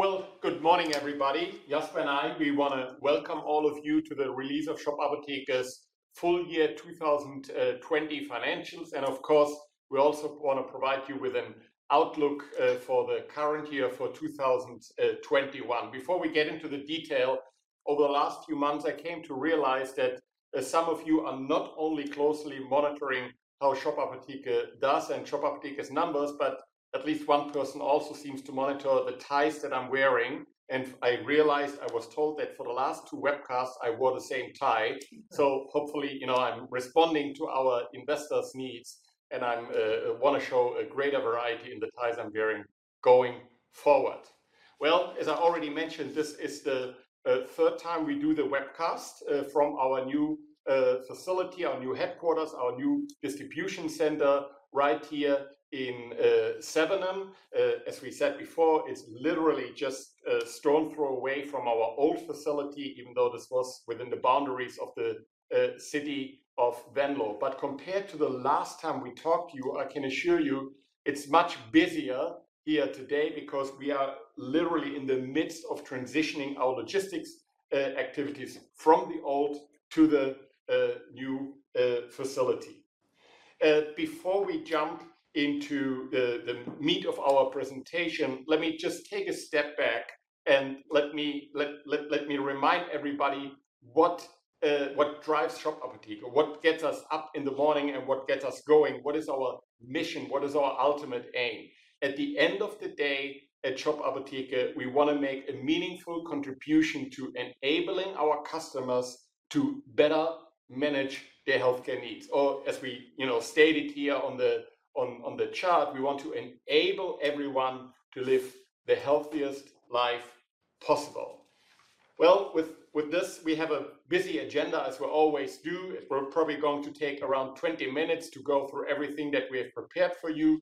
Well, good morning, everybody. Jasper and I, we want to welcome all of you to the release of SHOP APOTHEKE's full year 2020 financials. Of course, we also want to provide you with an outlook for the current year, for 2021. Before we get into the detail, over the last few months, I came to realize that some of you are not only closely monitoring how SHOP APOTHEKE does and SHOP APOTHEKE's numbers, but at least one person also seems to monitor the ties that I'm wearing. I realized I was told that for the last two webcasts, I wore the same tie. Hopefully, you know, I'm responding to our investors' needs, and I want to show a greater variety in the ties I'm wearing going forward. Well, as I already mentioned, this is the third time we do the webcast from our new facility, our new headquarters, our new distribution center right here in Sevenum. As we said before, it's literally just a stone throw away from our old facility, even though this was within the boundaries of the city of Venlo. Compared to the last time we talked to you, I can assure you it's much busier here today because we are literally in the midst of transitioning our logistics activities from the old to the new facility. Before we jump into the meat of our presentation, let me just take a step back and let me remind everybody what drives SHOP APOTHEKE, what gets us up in the morning and what gets us going. What is our mission? What is our ultimate aim? At the end of the day, at SHOP APOTHEKE, we wanna make a meaningful contribution to enabling our customers to better manage their healthcare needs. Or as we, you know, stated here on the chart, we want to enable everyone to live the healthiest life possible. Well, with this, we have a busy agenda as we always do. We're probably going to take around 20 minutes to go through everything that we have prepared for you.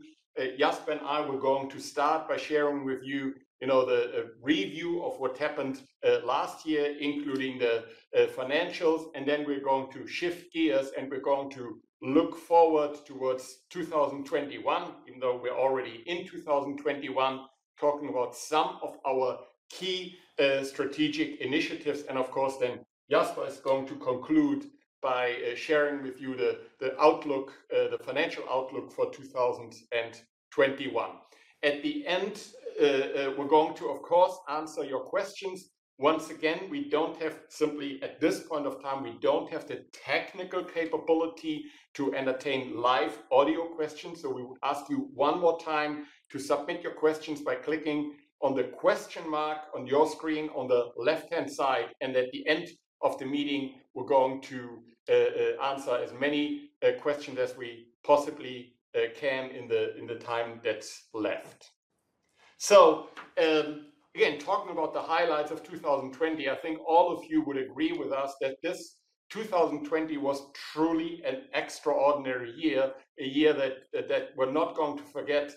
Jasper and I, we're going to start by sharing with you know, the review of what happened last year, including the financials. We're going to shift gears, and we're going to look forward towards 2021, even though we're already in 2021, talking about some of our key strategic initiatives. Of course then Jasper is going to conclude by sharing with you the outlook, the financial outlook for 2021. At the end, we're going to, of course, answer your questions. Once again, we don't have simply at this point of time, we don't have the technical capability to entertain live audio questions. We would ask you one more time to submit your questions by clicking on the question mark on your screen on the left-hand side. At the end of the meeting, we're going to answer as many questions as we possibly can in the, in the time that's left. Again, talking about the highlights of 2020, I think all of you would agree with us that this 2020 was truly an extraordinary year, a year that we're not going to forget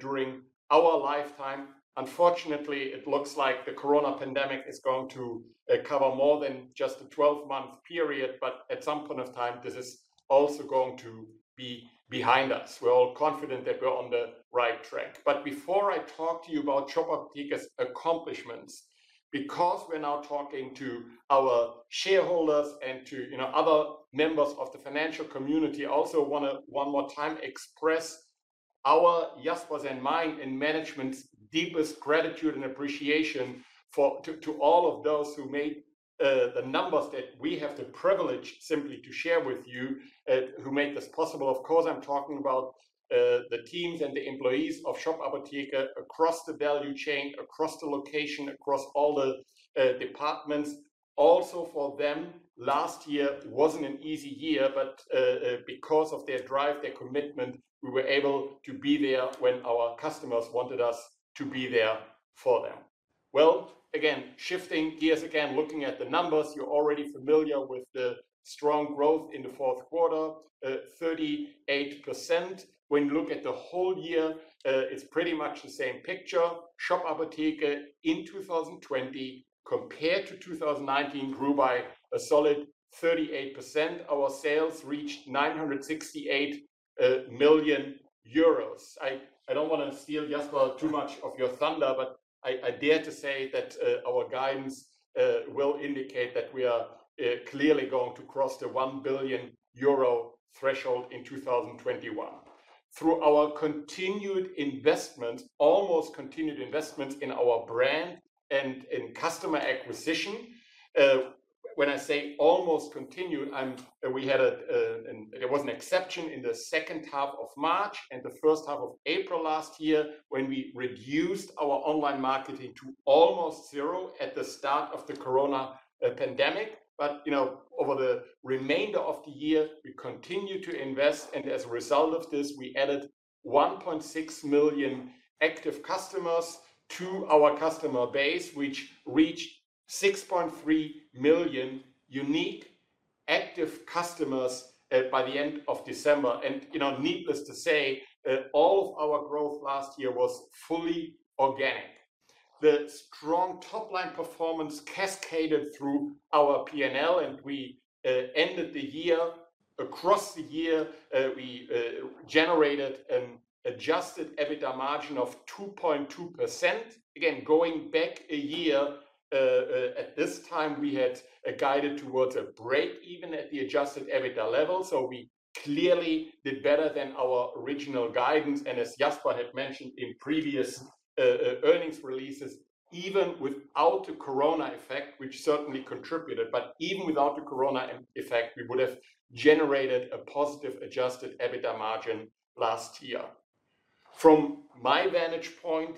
during our lifetime. Unfortunately, it looks like the corona pandemic is going to cover more than just a 12-month period. At some point of time, this is also going to be behind us. We're all confident that we're on the right track. Before I talk to you about SHOP APOTHEKE's accomplishments, because we're now talking to our shareholders and to, you know, other members of the financial community, I also wanna one more time express our, Jasper's and mine, and management's deepest gratitude and appreciation for to all of those who made the numbers that we have the privilege simply to share with you, who made this possible. Of course, I'm talking about the teams and the employees of SHOP APOTHEKE across the value chain, across the location, across all the departments. Also for them, last year wasn't an easy year, because of their drive, their commitment, we were able to be there when our customers wanted us to be there for them. Well, again, shifting gears again, looking at the numbers, you're already familiar with the strong growth in the fourth quarter, 38%. When you look at the whole year, it's pretty much the same picture. SHOP APOTHEKE in 2020 compared to 2019 grew by a solid 38%. Our sales reached 968 million euros. I don't wanna steal Jasper too much of your thunder, I dare to say that our guidance will indicate that we are clearly going to cross the 1 billion euro threshold in 2021. Through our almost continued investments in our brand and in customer acquisition. When I say almost continued, there was an exception in the second half of March and the first half of April last year when we reduced our online marketing to almost zero at the start of the corona pandemic. You know, over the remainder of the year, we continued to invest. As a result of this, we added 1.6 million active customers to our customer base, which reached 6.3 million unique active customers by the end of December. You know, needless to say, all of our growth last year was fully organic. The strong top-line performance cascaded through our P&L, and we ended the year. Across the year, we generated an adjusted EBITDA margin of 2.2%. Again, going back a year, at this time we had guided towards a break even at the adjusted EBITDA level. We clearly did better than our original guidance. As Jasper had mentioned in previous earnings releases, even without the corona effect, which certainly contributed, but even without the corona effect, we would have generated a positive adjusted EBITDA margin last year. From my vantage point,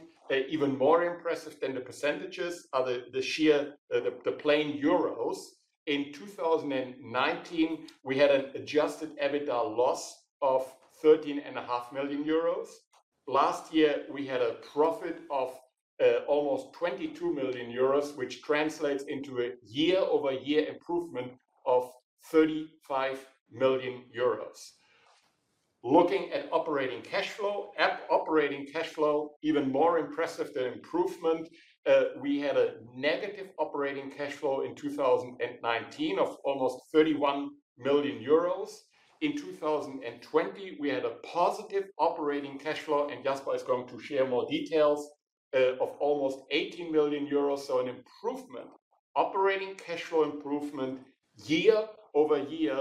even more impressive than the percentages are the sheer, the plain euros. In 2019, we had an adjusted EBITDA loss of 13.5 million euros. Last year we had a profit of almost 22 million euros, which translates into a year-over-year improvement of 35 million euros. Looking at operating cash flow, even more impressive the improvement. We had a negative operating cash flow in 2019 of almost 31 million euros. In 2020, we had a positive operating cash flow, and Jasper is going to share more details of almost 18 million euros. An improvement, operating cash flow improvement year-over-year,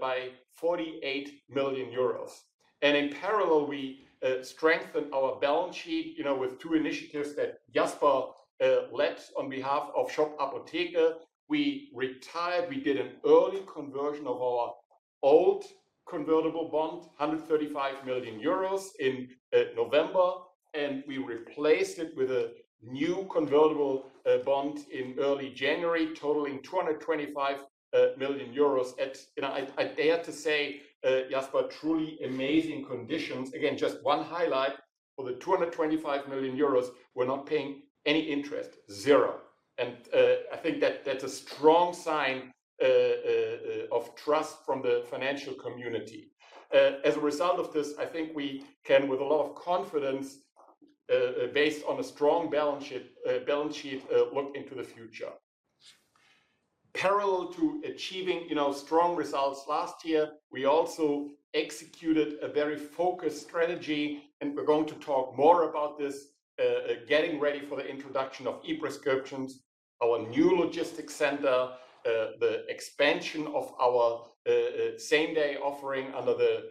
by EUR 48 million. In parallel, we strengthened our balance sheet, you know, with two initiatives that Jasper led on behalf of SHOP APOTHEKE. We retired, we did an early conversion of our old convertible bond, 135 million euros in November. We replaced it with a new convertible bond in early January, totaling 225 million euros at, you know, I dare to say, Jasper, truly amazing conditions. Again, just one highlight. For the 225 million euros, we're not paying any interest. Zero. I think that that's a strong sign of trust from the financial community. As a result of this, I think we can, with a lot of confidence, based on a strong balance sheet, look into the future. Parallel to achieving, you know, strong results last year, we also executed a very focused strategy, and we're going to talk more about this, getting ready for the introduction of e-prescriptions, our new logistics center, the expansion of our same-day offering under the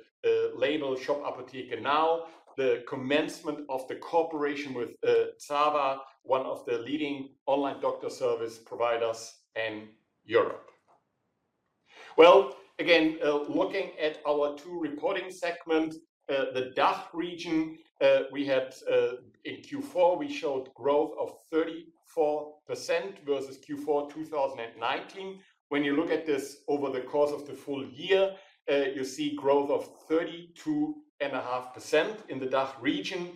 label SHOP APOTHEKE NOW!, the commencement of the cooperation with ZAVA, one of the leading online doctor service providers in Europe. Again, looking at our two reporting segments. The DACH region, we had in Q4, we showed growth of 34% versus Q4 2019. When you look at this over the course of the full year, you see growth of 32.5% in the DACH region.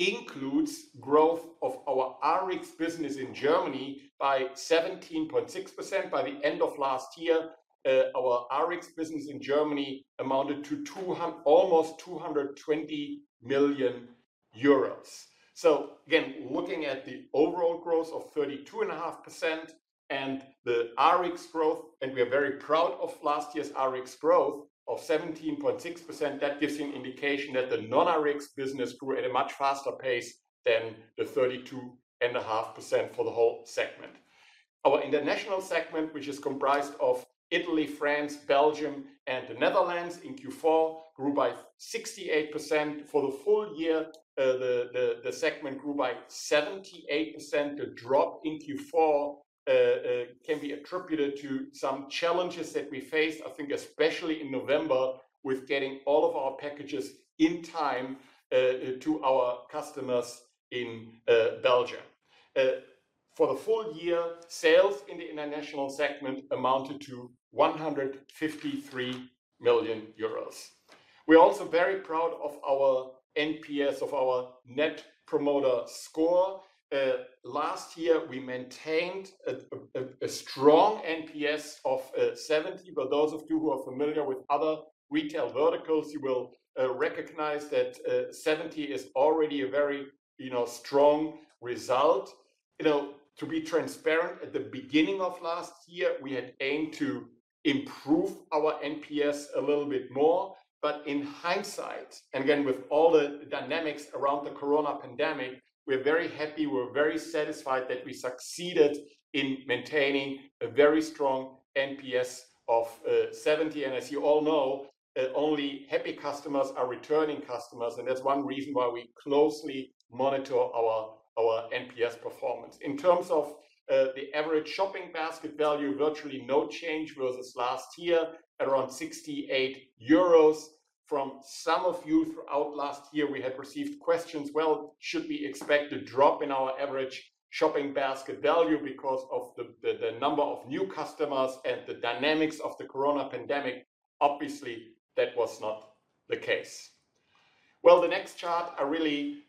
This includes growth of our Rx business in Germany by 17.6%. By the end of last year, our Rx business in Germany amounted to almost 220 million euros. Again, looking at the overall growth of 32.5% and the Rx growth, and we are very proud of last year's Rx growth of 17.6%, that gives you an indication that the non-Rx business grew at a much faster pace than the 32.5% for the whole segment. Our international segment, which is comprised of Italy, France, Belgium and the Netherlands, in Q4 grew by 68%. For the full year, the segment grew by 78%. The drop in Q4 can be attributed to some challenges that we faced, I think especially in November, with getting all of our packages in time to our customers in Belgium. For the full year, sales in the international segment amounted to 153 million euros. We're also very proud of our NPS, of our Net Promoter Score. Last year we maintained a strong NPS of 70. For those of you who are familiar with other retail verticals, you will recognize that 70 is already a very, you know, strong result. You know, to be transparent, at the beginning of last year, we had aimed to improve our NPS a little bit more, but in hindsight, and again, with all the dynamics around the corona pandemic, we're very happy, we're very satisfied that we succeeded in maintaining a very strong NPS of 70. As you all know, only happy customers are returning customers, and that's one reason why we closely monitor our NPS performance. In terms of the average shopping basket value, virtually no change versus last year, at around 68 euros. From some of you throughout last year, we had received questions, "Well, should we expect a drop in our average shopping basket value because of the number of new customers and the dynamics of the Corona pandemic?" Obviously, that was not the case. The next chart I really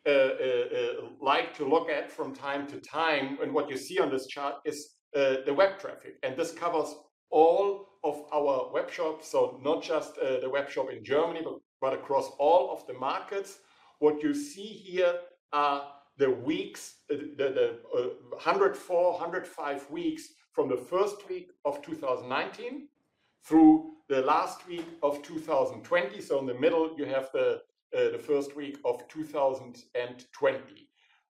like to look at from time to time, and what you see on this chart is the web traffic, and this covers all of our webshops. Not just the webshop in Germany, but across all of the markets. What you see here are the weeks, the 104, 105 weeks from the first week of 2019 through the last week of 2020. In the middle you have the first week of 2020.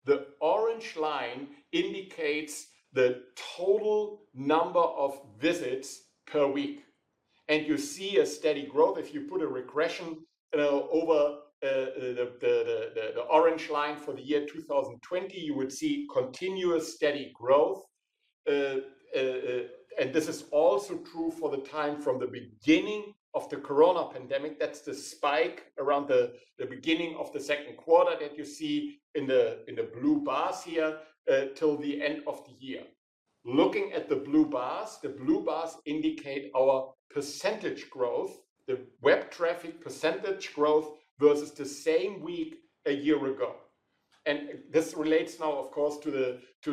The orange line indicates the total number of visits per week, and you see a steady growth. If you put a regression over the orange line for the year 2020, you would see continuous steady growth. This is also true for the time from the beginning of the Corona pandemic. That's the spike around the beginning of the second quarter that you see in the blue bars here till the end of the year. Looking at the blue bars, the blue bars indicate our percentage growth, the web traffic percentage growth versus the same week a year ago. This relates now, of course, to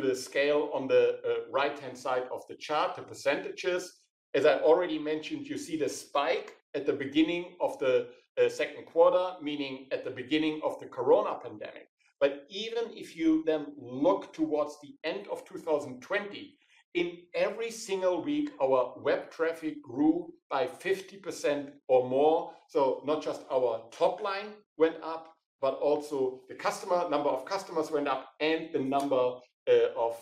the scale on the right-hand side of the chart, the percentages. As I already mentioned, you see the spike at the beginning of the second quarter, meaning at the beginning of the Corona pandemic. Even if you then look towards the end of 2020, in every single week, our web traffic grew by 50% or more. Not just our top line went up, but also the number of customers went up and the number of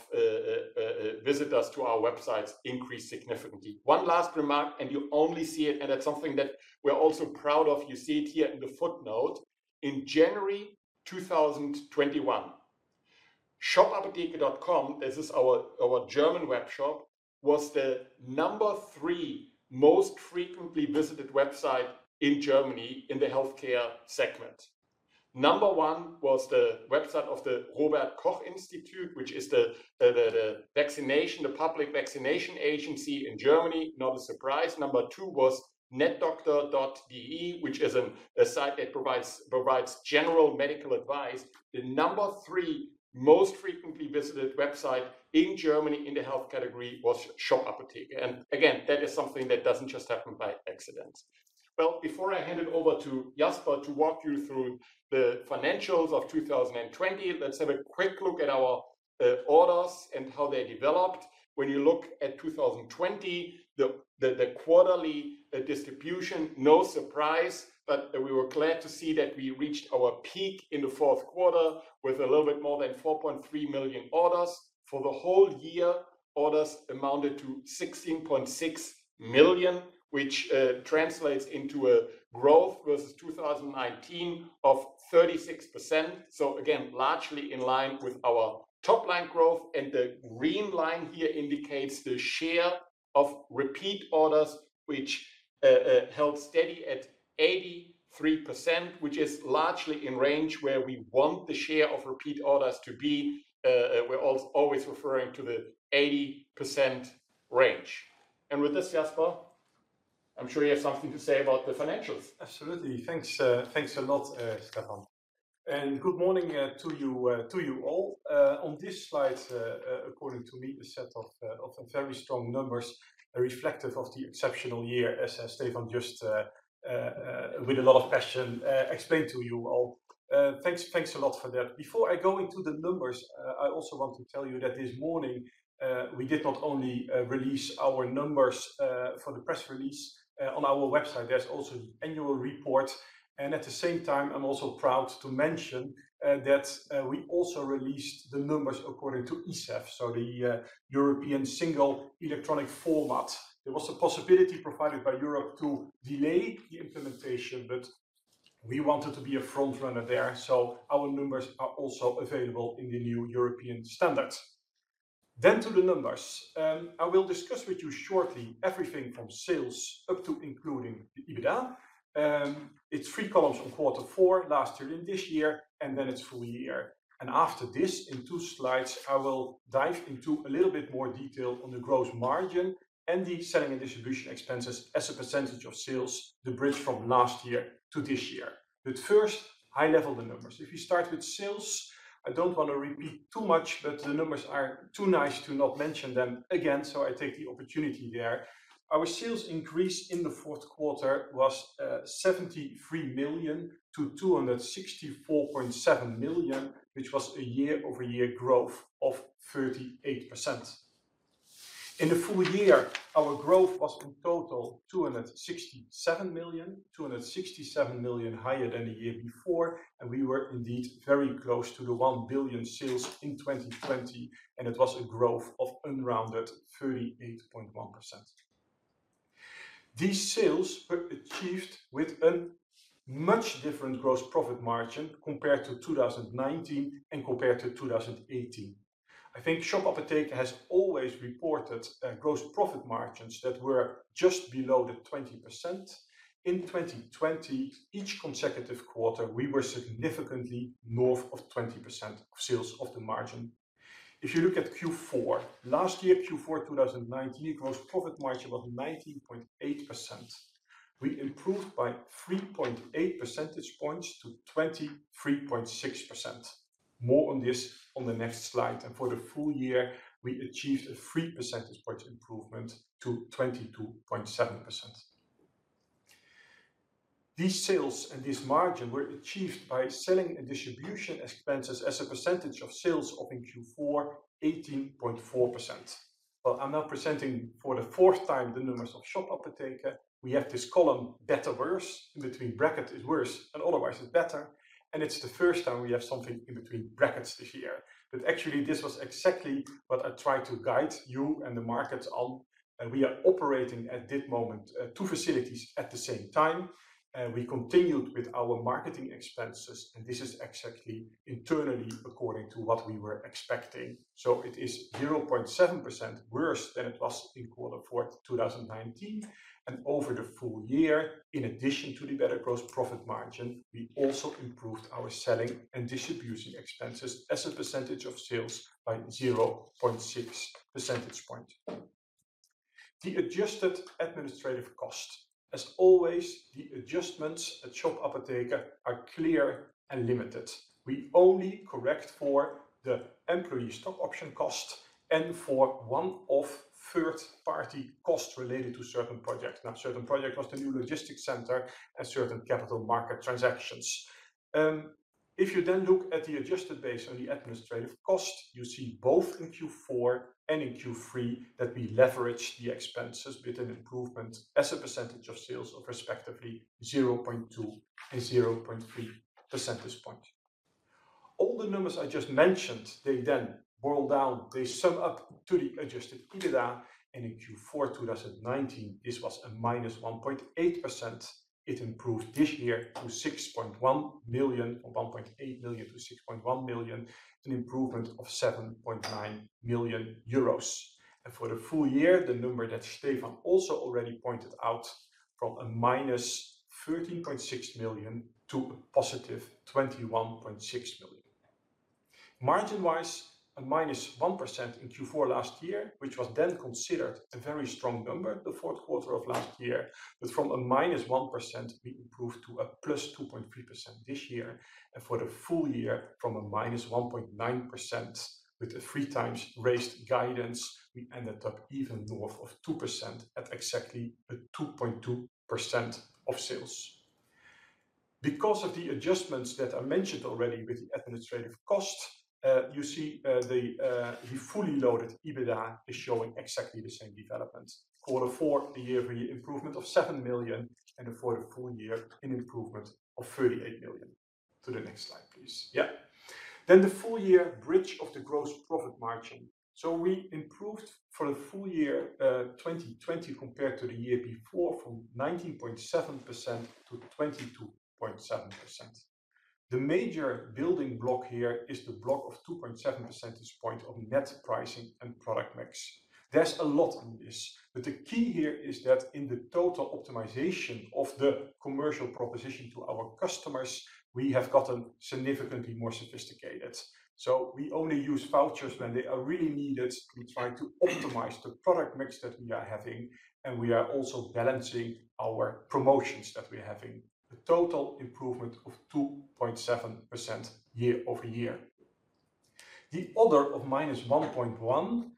visitors to our websites increased significantly. One last remark, and you only see it, and that's something that we're also proud of, you see it here in the footnote. In January 2021, shopapotheke.com, this is our German web shop, was the number three most frequently visited website in Germany in the healthcare segment. Number one was the website of the Robert Koch Institute, which is the vaccination, the public vaccination agency in Germany. Not a surprise. Number two was netdoktor.de, which is a site that provides general medical advice. The number three most frequently visited website in Germany in the health category was SHOP APOTHEKE. Again, that is something that doesn't just happen by accident. Well, before I hand it over to Jasper to walk you through the financials of 2020, let's have a quick look at our orders and how they developed. When you look at 2020, the quarterly distribution, no surprise, but we were glad to see that we reached our peak in the fourth quarter with a little bit more than 4.3 million orders. For the whole year, orders amounted to 16.6 million, which translates into a growth versus 2019 of 36%. Again, largely in line with our top line growth. The green line here indicates the share of repeat orders, which held steady at 83%, which is largely in range where we want the share of repeat orders to be. We're always referring to the 80% range. With this, Jasper, I'm sure you have something to say about the financials. Absolutely. Thanks, thanks a lot, Stefan. Good morning to you, to you all. On this slide, according to me, a set of some very strong numbers reflective of the exceptional year as Stefan just with a lot of passion explained to you all. Thanks, thanks a lot for that. Before I go into the numbers, I also want to tell you that this morning, we did not only release our numbers for the press release on our website, there's also the annual report. At the same time, I'm also proud to mention that we also released the numbers according to ESEF, so the European Single Electronic Format. There was a possibility provided by Europe to delay the implementation, but we wanted to be a front runner there. Our numbers are also available in the new European standards. To the numbers. I will discuss with you shortly everything from sales up to including the EBITDA. It's three columns from quarter four last year and this year, and then it's full year. After this, in two slides, I will dive into a little bit more detail on the gross margin and the selling and distribution expenses as a percentage of sales, the bridge from last year to this year. First, high level the numbers. If you start with sales, I don't want to repeat too much, but the numbers are too nice to not mention them again. I take the opportunity there. Our sales increase in the fourth quarter was 73 million to 264.7 million, which was a year-over-year growth of 38%. In the full year, our growth was in total 267 million, 267 million higher than the year before, and we were indeed very close to the 1 billion sales in 2020, and it was a growth of unrounded 38.1%. These sales were achieved with a much different gross profit margin compared to 2019 and compared to 2018. I think SHOP APOTHEKE has always reported gross profit margins that were just below the 20%. In 2020, each consecutive quarter, we were significantly north of 20% of sales of the margin. If you look at Q4, last year, Q4 2019, gross profit margin was 19.8%. We improved by 3.8 percentage points to 23.6%. More on this on the next slide. For the full year, we achieved a 3 percentage point improvement to 22.7%. These sales and this margin were achieved by selling and distribution expenses as a percentage of sales of in Q4 18.4%. Well, I'm now presenting for the fourth time the numbers of SHOP APOTHEKE. We have this column better, worse. In between brackets is worse, and otherwise it's better. It's the first time we have something in between brackets this year. Actually this was exactly what I tried to guide you and the markets on, and we are operating at this moment, two facilities at the same time. We continued with our marketing expenses, and this is exactly internally according to what we were expecting. It is 0.7% worse than it was in Q4 2019. Over the full year, in addition to the better gross profit margin, we also improved our selling and distribution expenses as a percentage of sales by 0.6 percentage point. The adjusted administrative cost. As always, the adjustments at SHOP APOTHEKE are clear and limited. We only correct for the employee stock option cost and for one-off third-party costs related to certain projects. Certain project was the new logistics center and certain capital market transactions. If you then look at the adjusted base on the administrative cost, you see both in Q4 and in Q3 that we leverage the expenses with an improvement as a percentage of sales of respectively 0.2 and 0.3 percentage point. All the numbers I just mentioned, they then boil down, they sum up to the adjusted EBITDA, in Q4, 2019, this was a -1.8%. It improved this year to 6.1 million, from 1.8 million to 6.1 million, an improvement of 7.9 million euros. For the full year, the number that Stefan also already pointed out, from a -13.6 million to a positive 21.6 million. Margin-wise, a -1% in Q4 last year, which was then considered a very strong number, the fourth quarter of last year. From a -1%, we improved to a +2.3% this year. For the full year, from a -1.9% with a three times raised guidance, we ended up even north of 2% at exactly a 2.2% of sales. Because of the adjustments that I mentioned already with the administrative cost, you see, the fully loaded EBITDA is showing exactly the same development. Quarter four, the year-over-year improvement of 7 million, and for the full year an improvement of 38 million. To the next slide, please. Yeah. The full year bridge of the gross profit margin. We improved for the full year 2020 compared to the year before from 19.7% to 22.7%. The major building block here is the block of 2.7 percentage point of net pricing and product mix. There's a lot in this, but the key here is that in the total optimization of the commercial proposition to our customers, we have gotten significantly more sophisticated. We only use vouchers when they are really needed. We try to optimize the product mix that we are having, and we are also balancing our promotions that we're having. A total improvement of 2.7% year-over-year. The other of -1.1 percentage points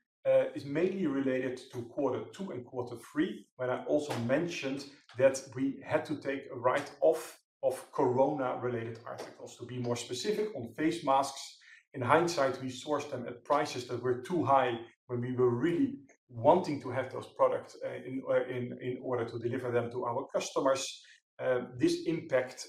is mainly related to Q2 and Q3, when I also mentioned that we had to take a write-off of COVID-related articles, to be more specific on face masks. In hindsight, we sourced them at prices that were too high when we were really wanting to have those products in order to deliver them to our customers. This impact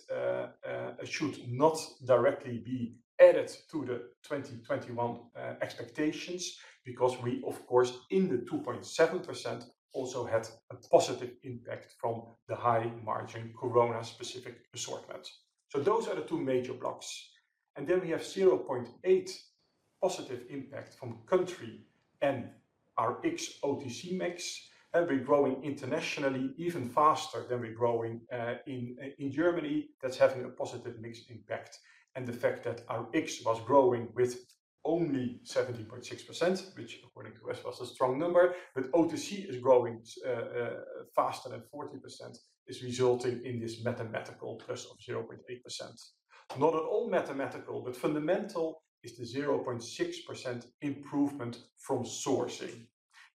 should not directly be added to the 2021 expectations because we of course, in the 2.7% also had a positive impact from the high margin COVID-specific assortment. Those are the two major blocks. We have 0.8 positive impact from country and our Rx OTC mix, and we're growing internationally even faster than we're growing in Germany. That's having a positive mix impact. The fact that Rx was growing with only 17.6%, which according to us was a strong number, but OTC is growing faster than 14%, is resulting in this mathematical plus of 0.8%. Not at all mathematical, but fundamental is the 0.6% improvement from sourcing.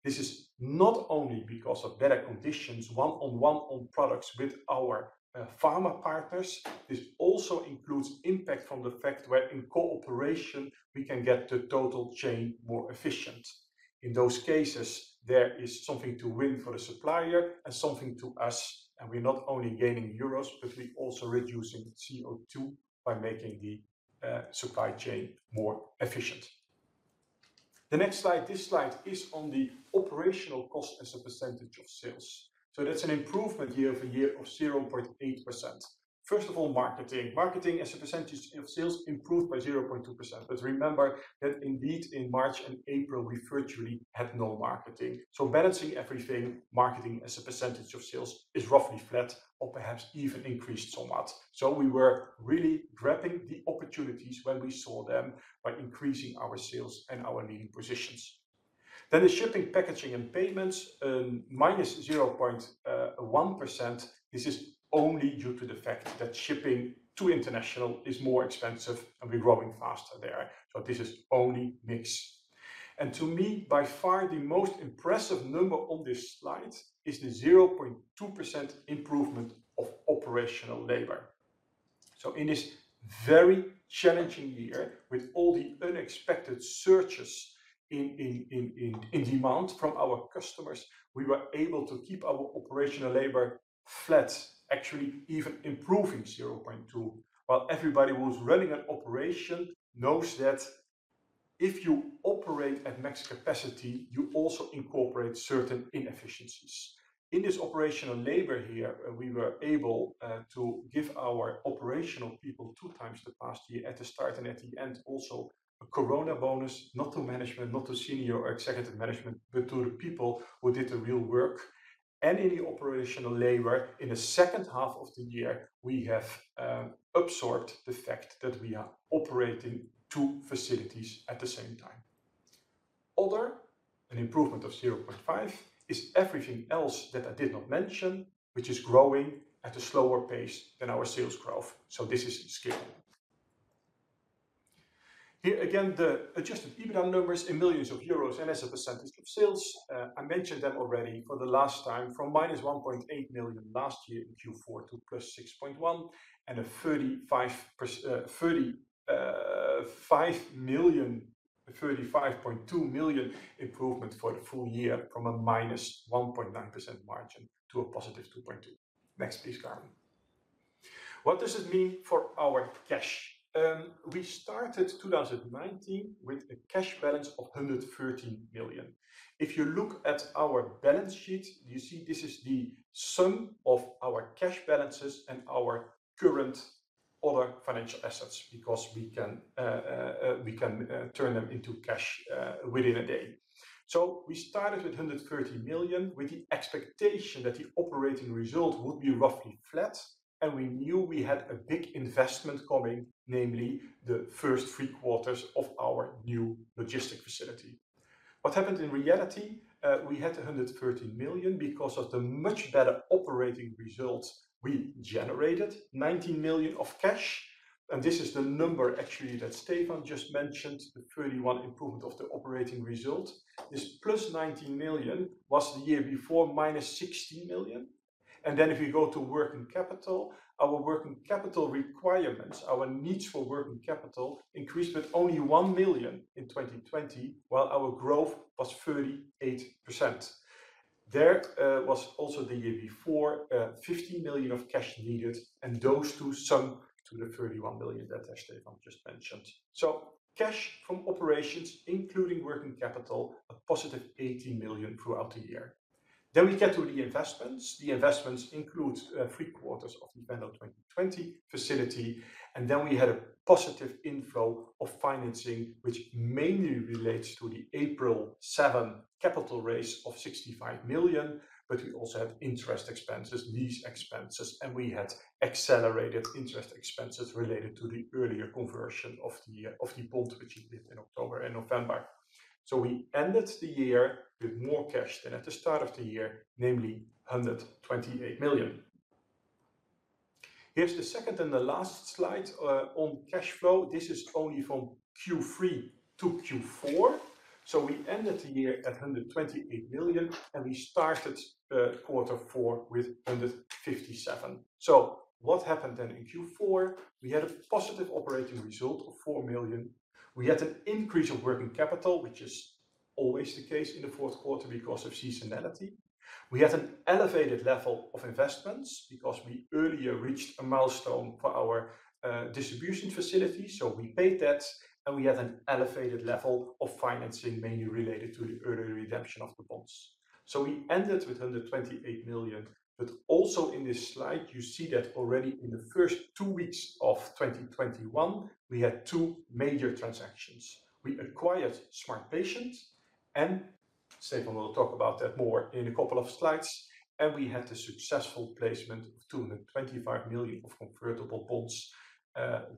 This is not only because of better conditions, one-on-one on products with our pharma partners. This also includes impact from the fact where in cooperation we can get the total chain more efficient. In those cases, there is something to win for the supplier and something to us, and we're not only gaining euros, but we also reducing the CO2 by making the supply chain more efficient. The next slide, this slide is on the operational cost as a percentage of sales. That's an improvement year-over-year of 0.8%. First of all, marketing. Marketing as a percentage of sales improved by 0.2%. Remember that indeed in March and April, we virtually had no marketing. Balancing everything, marketing as a percentage of sales is roughly flat or perhaps even increased somewhat. We were really grabbing the opportunities when we saw them by increasing our sales and our leading positions. The shipping, packaging, and payments, -0.1%. This is only due to the fact that shipping to international is more expensive, and we're growing faster there. This is only mix. To me, by far, the most impressive number on this slide is the 0.2% improvement of operational labor. In this very challenging year, with all the unexpected surges in demand from our customers, we were able to keep our operational labor flat, actually even improving 0.2%. While everybody who's running an operation knows that if you operate at max capacity, you also incorporate certain inefficiencies. In this operational labor here, we were able to give our operational people two times the past year at the start and at the end also a Corona bonus, not to management, not to senior executive management, but to the people who did the real work. In the operational labor, in the second half of the year, we have absorbed the fact that we are operating two facilities at the same time. Other, an improvement of 0.5, is everything else that I did not mention, which is growing at a slower pace than our sales growth. This is scale. Here again, the adjusted EBITDA numbers in million euros and as a percentage of sales, I mentioned them already for the last time, from -1.8 million last year in Q4 to +6.1 and a 35.2 million improvement for the full year from a -1.9% margin to a +2.2%. Next, please, Carmen. What does it mean for our cash? We started 2019 with a cash balance of 130 million. If you look at our balance sheet, you see this is the sum of our cash balances and our current other financial assets because we can turn them into cash within a day. We started with 130 million with the expectation that the operating result would be roughly flat, and we knew we had a big investment coming, namely the first three quarters of our new logistic facility. What happened in reality, we had 130 million because of the much better operating results we generated, 19 million of cash. This is the number actually that Stefan just mentioned, the 31 improvement of the operating result. This +19 million was the year before -60 million. If you go to working capital, our working capital requirements, our needs for working capital increased with only 1 million in 2020, while our growth was 38%. There was also the year before 50 million of cash needed, and those two sum to the 31 million that Stefan just mentioned. Cash from operations, including working capital, a positive 80 million throughout the year. We get to the investments. The investments include 3/4 of the end of 2020 facility. We had a positive inflow of financing, which mainly relates to the April 7 capital raise of 65 million. We also have interest expenses, lease expenses, and we had accelerated interest expenses related to the earlier conversion of the bond, which we did in October and November. We ended the year with more cash than at the start of the year, namely 128 million. Here's the second and the last slide on cash flow. This is only from Q3 to Q4. We ended the year at 128 million, and we started Q4 with 157 million. What happened then in Q4? We had a positive operating result of 4 million. We had an increase of working capital, which is always the case in the Q4 because of seasonality. We had an elevated level of investments because we earlier reached a milestone for our distribution facility. We paid that, and we had an elevated level of financing mainly related to the earlier redemption of the bonds. We ended with 128 million. Also in this slide, you see that already in the first two weeks of 2021, we had two major transactions. We acquired smartpatient, and Stefan will talk about that more in a couple of slides, and we had the successful placement of 225 million of convertible bonds,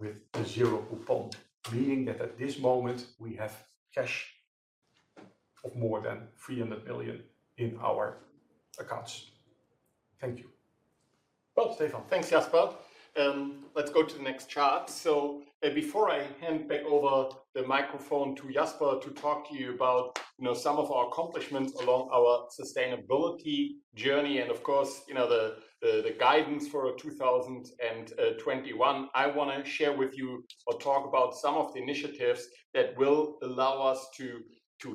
with the zero coupon, meaning that at this moment we have cash of more than 300 million in our accounts. Thank you. Well, Stefan. Thanks, Jasper. Let's go to the next chart. Before I hand back over the microphone to Jasper to talk to you about, you know, some of our accomplishments along our sustainability journey and of course, you know, the, the guidance for 2021, I wanna share with you or talk about some of the initiatives that will allow us to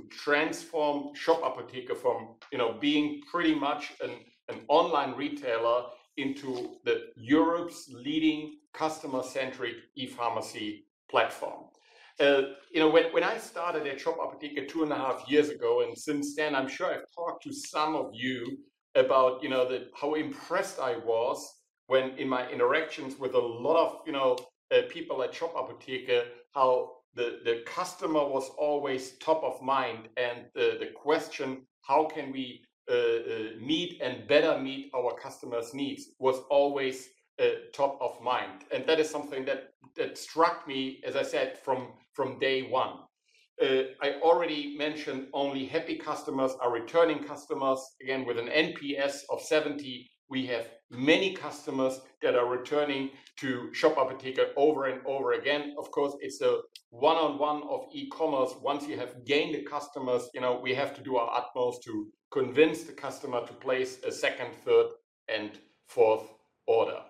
transform SHOP APOTHEKE from, you know, being pretty much an online retailer into Europe's leading customer-centric e-pharmacy platform. You know, when I started at SHOP APOTHEKE 2.5 years ago, and since then, I'm sure I've talked to some of you about, you know, the how impressed I was when in my interactions with a lot of, you know, people at SHOP APOTHEKE, how the customer was always top of mind. The question, how can we meet and better meet our customers' needs was always top of mind. That is something that struck me, as I said, from day one. I already mentioned only happy customers are returning customers. Again, with an NPS of 70, we have many customers that are returning to SHOP APOTHEKE over and over again. Of course, it's a one-on-one of e-commerce. Once you have gained the customers, you know, we have to do our utmost to convince the customer to place a second, third, and fourth order.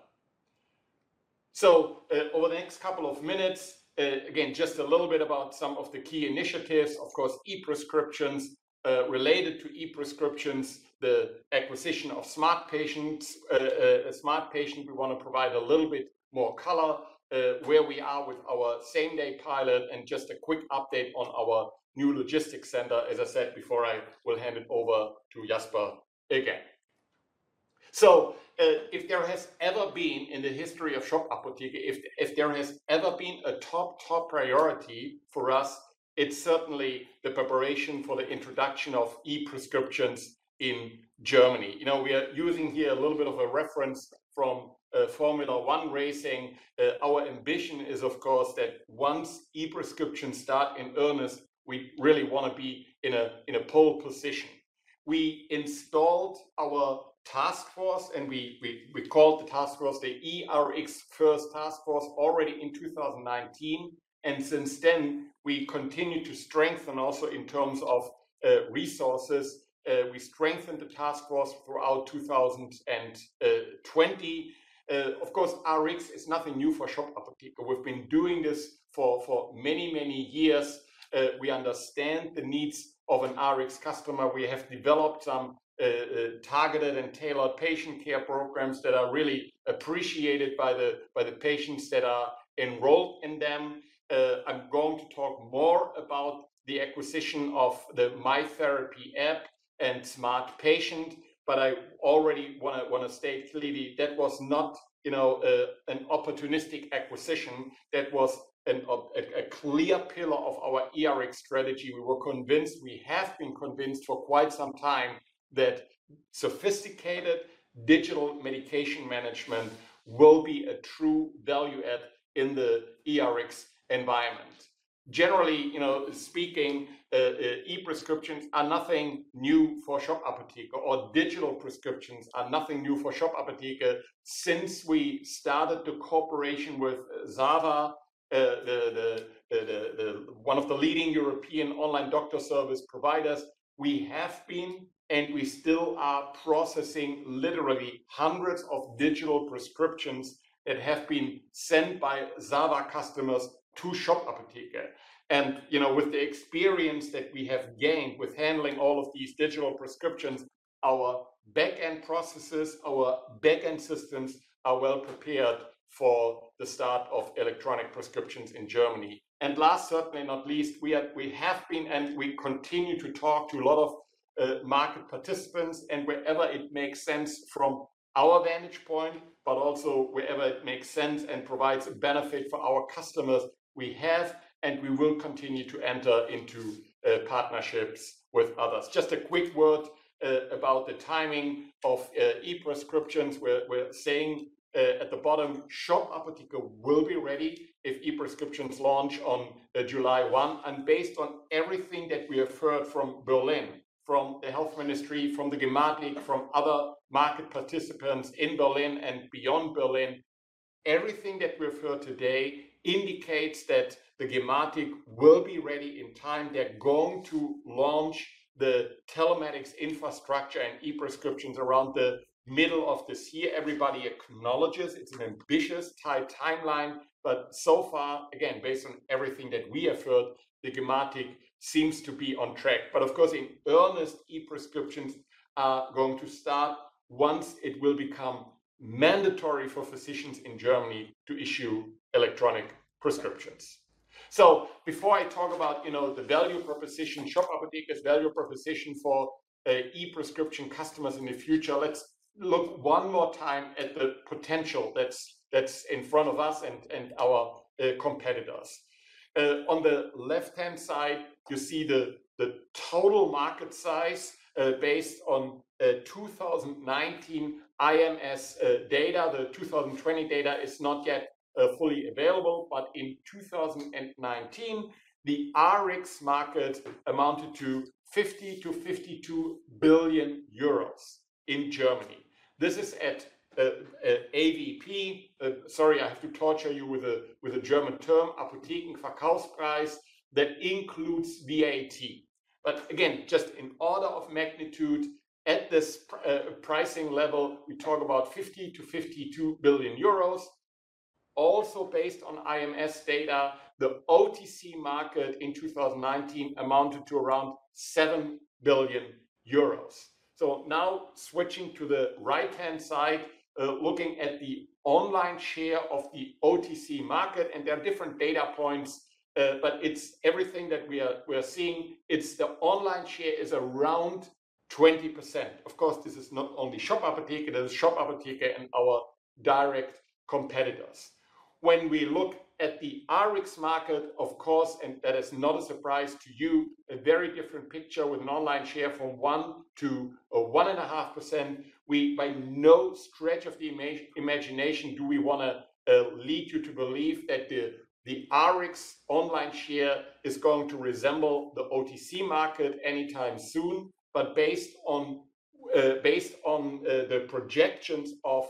Over the next couple of minutes, again, just a little bit about some of the key initiatives. Of course, e-prescriptions. Related to e-prescriptions, the acquisition of smartpatient. At smartpatient, we wanna provide a little bit more color where we are with our same-day pilot, and just a quick update on our new logistics center, as I said before, I will hand it over to Jasper again. If there has ever been in the history of SHOP APOTHEKE, if there has ever been a top priority for us, it's certainly the preparation for the introduction of e-prescriptions in Germany. You know, we are using here a little bit of a reference from Formula 1 racing. Our ambition is, of course, that once e-prescriptions start in earnest, we really wanna be in a pole position. We installed our task force, we called the task force the e-Rx First Task Force already in 2019. Since then, we continue to strengthen also in terms of resources. We strengthened the task force throughout 2020. Rx is nothing new for SHOP APOTHEKE. We've been doing this for many, many years. We understand the needs of an Rx customer. We have developed some targeted and tailored patient care programs that are really appreciated by the patients that are enrolled in them. I'm going to talk more about the acquisition of the MyTherapy app and smartpatient, I already wanna state clearly that was not, you know, an opportunistic acquisition. That was a clear pillar of our e-Rx strategy. We were convinced, we have been convinced for quite some time that sophisticated digital medication management will be a true value add in the e-Rx environment. Generally, you know, speaking, e-prescriptions are nothing new for SHOP APOTHEKE, or digital prescriptions are nothing new for SHOP APOTHEKE. Since we started the cooperation with ZAVA, the one of the leading European online doctor service providers, we have been, and we still are, processing literally hundreds of digital prescriptions that have been sent by ZAVA customers to SHOP APOTHEKE. You know, with the experience that we have gained with handling all of these digital prescriptions, our backend processes, our backend systems are well prepared for the start of electronic prescriptions in Germany. Last, certainly not least, we have been and we continue to talk to a lot of market participants, wherever it makes sense from our vantage point, but also wherever it makes sense and provides a benefit for our customers, we will continue to enter into partnerships with others. Just a quick word about the timing of e-prescriptions. We're saying at the bottom, SHOP APOTHEKE will be ready if e-prescriptions launch on July 1. Based on everything that we have heard from Berlin, from the health ministry, from the gematik, from other market participants in Berlin and beyond Berlin, everything that we've heard today indicates that the gematik will be ready in time. They're going to launch the telematics infrastructure and e-prescriptions around the middle of this year. Everybody acknowledges it's an ambitious timeline. Far, again, based on everything that we have heard, the gematik seems to be on track. Of course, in earnest, e-prescriptions are going to start once it will become mandatory for physicians in Germany to issue electronic prescriptions. Before I talk about, you know, the value proposition, SHOP APOTHEKE's value proposition for e-prescription customers in the future, let's look one more time at the potential that's in front of us and our competitors. On the left-hand side you see the total market size, based on 2019 IMS data. The 2020 data is not yet fully available. In 2019, the Rx market amounted to 50 billion-52 billion euros in Germany. This is at AVP. Sorry, I have to torture you with a, with a German term, Apothekenverkaufspreis, that includes VAT. Again, just in order of magnitude, at this pricing level, we talk about 50 billion-52 billion euros. Also based on IMS data, the OTC market in 2019 amounted to around 7 billion euros. Now switching to the right-hand side, looking at the online share of the OTC market, and there are different data points, but it's everything that we are, we are seeing. It's the online share is around 20%. Of course, this is not only SHOP APOTHEKE, there's SHOP APOTHEKE and our direct competitors. When we look at the Rx market, of course, and that is not a surprise to you, a very different picture with an online share from 1%-1.5%. We, by no stretch of the imagination do we wanna lead you to believe that the Rx online share is going to resemble the OTC market anytime soon. Based on the projections of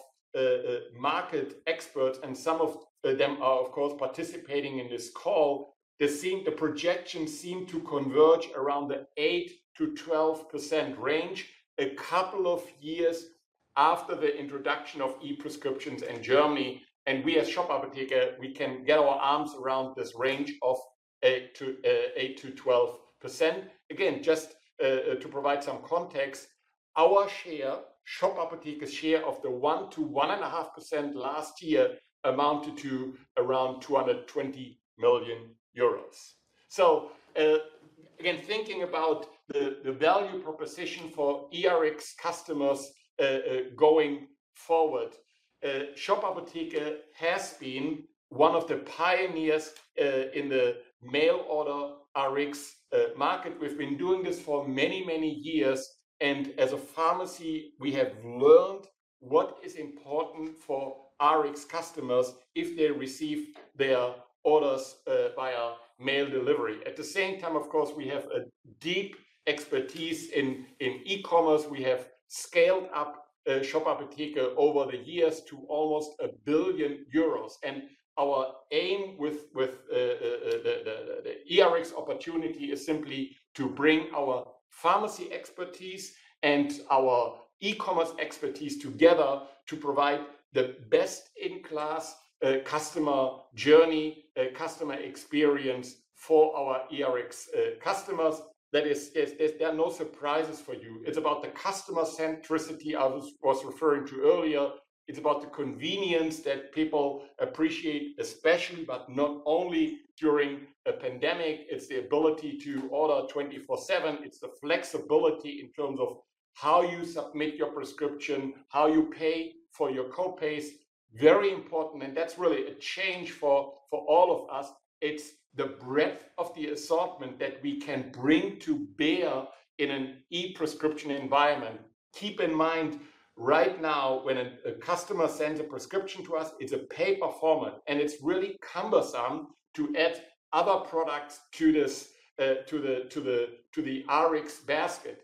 market experts and some of them are, of course, participating in this call, the projections seem to converge around the 8%-12% range a couple of years after the introduction of e-prescriptions in Germany. We as SHOP APOTHEKE, we can get our arms around this range of 8%-12%. Again, just to provide some context, our share, SHOP APOTHEKE's share of the 1%-1.5% last year amounted to around 220 million euros. Again, thinking about the value proposition for e-Rx customers going forward, SHOP APOTHEKE has been one of the pioneers in the mail order Rx market. We've been doing this for many, many years, and as a pharmacy, we have learned what is important for Rx customers if they receive their orders via mail delivery. At the same time, of course, we have a deep expertise in e-commerce. We have scaled up SHOP APOTHEKE over the years to almost 1 billion euros. Our aim with the e-Rx opportunity is simply to bring our pharmacy expertise and our e-commerce expertise together to provide the best-in-class customer journey, customer experience for our e-Rx customers. That is there are no surprises for you. It's about the customer centricity I was referring to earlier. It's about the convenience that people appreciate, especially, but not only during a pandemic. It's the ability to order 24/7. It's the flexibility in terms of how you submit your prescription, how you pay for your co-pays, very important. That's really a change for all of us. It's the breadth of the assortment that we can bring to bear in an e-prescription environment. Keep in mind, right now, when a customer sends a prescription to us, it's a paper format, and it's really cumbersome to add other products to the Rx basket.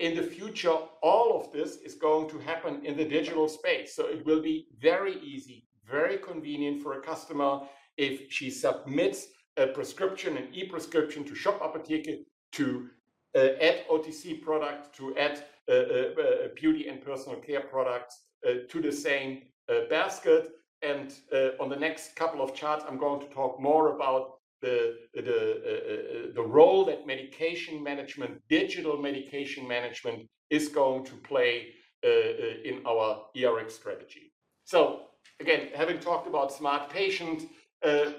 In the future, all of this is going to happen in the digital space, so it will be very easy, very convenient for a customer if she submits a prescription, an e-prescription to SHOP APOTHEKE to add OTC product, to add beauty and personal care products to the same basket. On the next couple of charts, I'm going to talk more about the role that medication management, digital medication management is going to play in our e-Rx strategy. Again, having talked about smartpatient,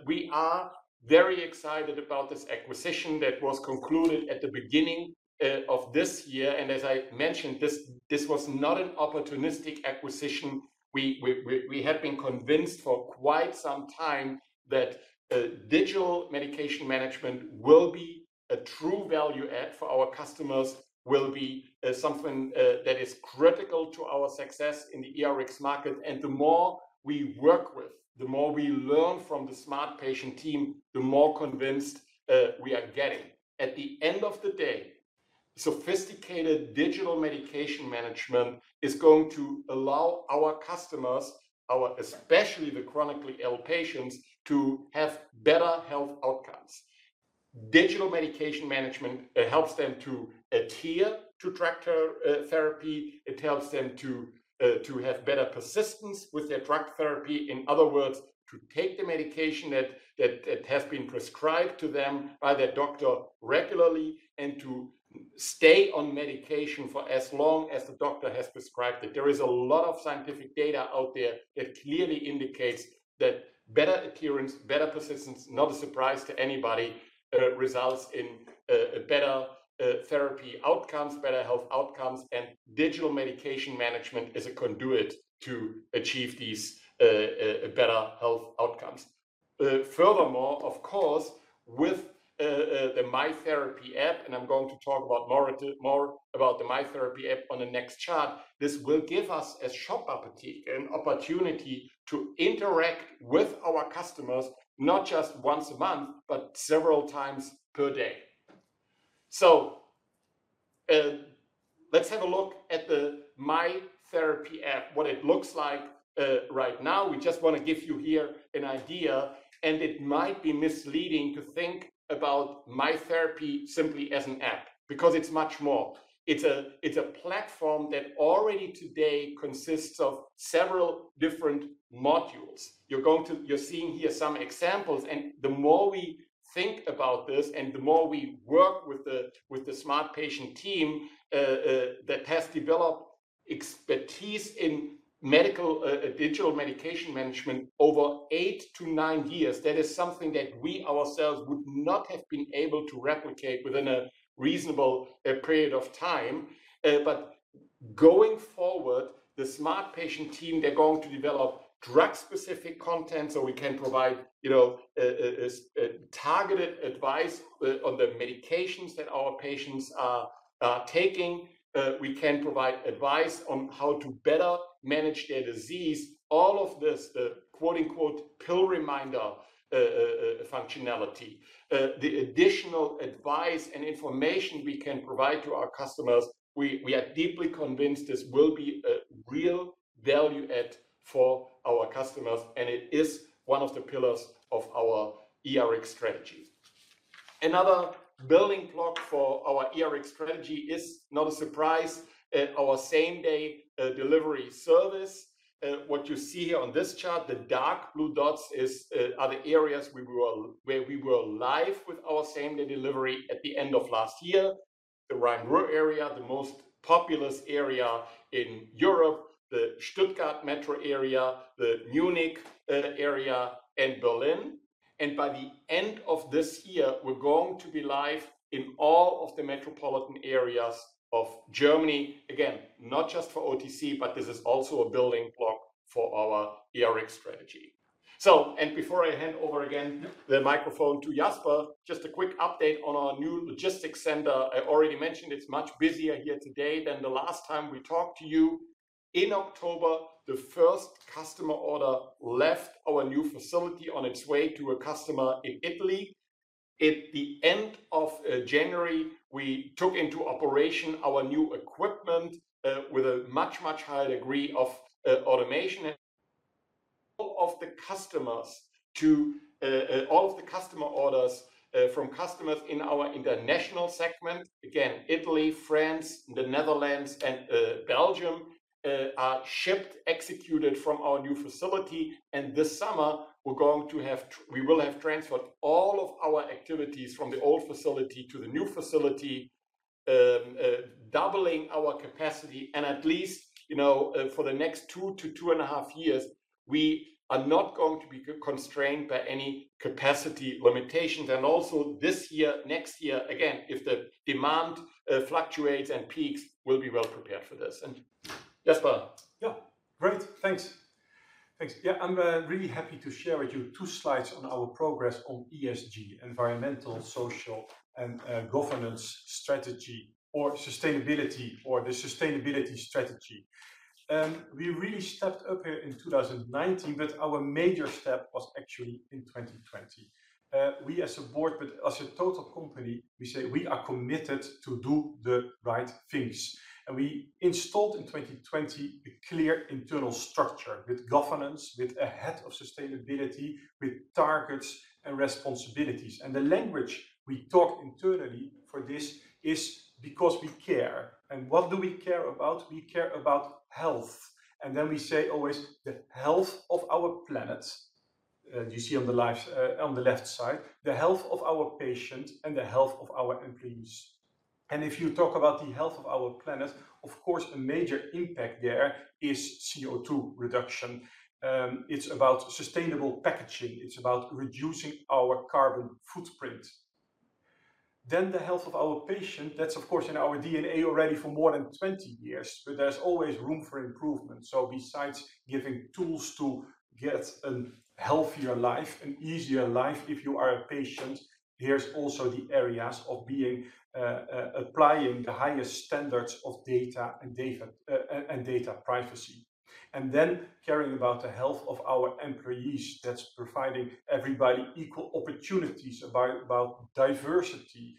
we are very excited about this acquisition that was concluded at the beginning of this year. As I mentioned, this was not an opportunistic acquisition. We had been convinced for quite some time that digital medication management will be a true value add for our customers, will be something that is critical to our success in the e-Rx market. And the more we work with, the more we learn from the smartpatient team, the more convinced we are getting. At the end of the day, sophisticated digital medication management is going to allow our customers, our especially the chronically ill patients, to have better health outcomes. Digital medication management, it helps them to adhere to therapy. It helps them to have better persistence with their drug therapy. In other words, to take the medication that has been prescribed to them by their doctor regularly, and to stay on medication for as long as the doctor has prescribed it. There is a lot of scientific data out there that clearly indicates that better adherence, better persistence, not a surprise to anybody, results in a better therapy outcomes, better health outcomes. Furthermore, of course, with the MyTherapy app, and I'm going to talk about more about the MyTherapy app on the next chart, this will give us as SHOP APOTHEKE an opportunity to interact with our customers not just once a month, but several times per day. Let's have a look at the MyTherapy app, what it looks like right now. We just wanna give you here an idea, and it might be misleading to think about MyTherapy simply as an app because it's much more. It's a platform that already today consists of several different modules. You're seeing here some examples. The more we think about this and the more we work with the smartpatient team that has developed expertise in digital medication management over eight to nine years, that is something that we ourselves would not have been able to replicate within a reasonable period of time. Going forward, the smartpatient team, they're going to develop drug-specific content so we can provide, you know, a targeted advice on the medications that our patients are taking. We can provide advice on how to better manage their disease. All of this, the quote-unquote, pill reminder, functionality, the additional advice and information we can provide to our customers, we are deeply convinced this will be a real value add for our customers, and it is one of the pillars of our e-Rx strategy. Another building block for our e-Rx strategy is not a surprise, our same-day delivery service. What you see here on this chart, the dark blue dots are the areas where we will live with our same-day delivery at the end of last year. The Rhine-Ruhr area, the most populous area in Europe, the Stuttgart Metro area, the Munich area, and Berlin. By the end of this year, we're going to be live in all of the metropolitan areas of Germany. Not just for OTC, but this is also a building block for our e-Rx strategy. Before I hand over again the microphone to Jasper, just a quick update on our new logistics center. I already mentioned it's much busier here today than the last time we talked to you. In October, the first customer order left our new facility on its way to a customer in Italy. At the end of January, we took into operation our new equipment with a much, much higher degree of automation and of the customers to all of the customer orders from customers in our international segment. Italy, France, the Netherlands and Belgium are shipped, executed from our new facility. This summer we will have transferred all of our activities from the old facility to the new facility, doubling our capacity and at least, you know, for the next two to 2.5 years, we are not going to be constrained by any capacity limitations. Also this year, next year, again, if the demand fluctuates and peaks, we'll be well prepared for this. Jasper. Yeah. Great. Thanks. Thanks. Yeah. I'm really happy to share with you two slides on our progress on ESG, Environmental, Social and Governance strategy or sustainability, or the sustainability strategy. We really stepped up here in 2019, our major step was actually in 2020. We as a board, as a total company, we say we are committed to do the right things, we installed in 2020 a clear internal structure with governance, with a head of sustainability, with targets and responsibilities. The language we talk internally for this is because we care. What do we care about? We care about health. We say always the health of our planet, you see on the slide, on the left side, the health of our patient and the health of our employees. If you talk about the health of our planet, of course, a major impact there is CO2 reduction. It's about sustainable packaging. It's about reducing our carbon footprint. The health of our patient, that's of course in our DNA already for more than 20 years. There's always room for improvement. Besides giving tools to get a healthier life, an easier life, if you are a patient, here's also the areas of being applying the highest standards of data and data privacy. Caring about the health of our employees. That's providing everybody equal opportunities about diversity.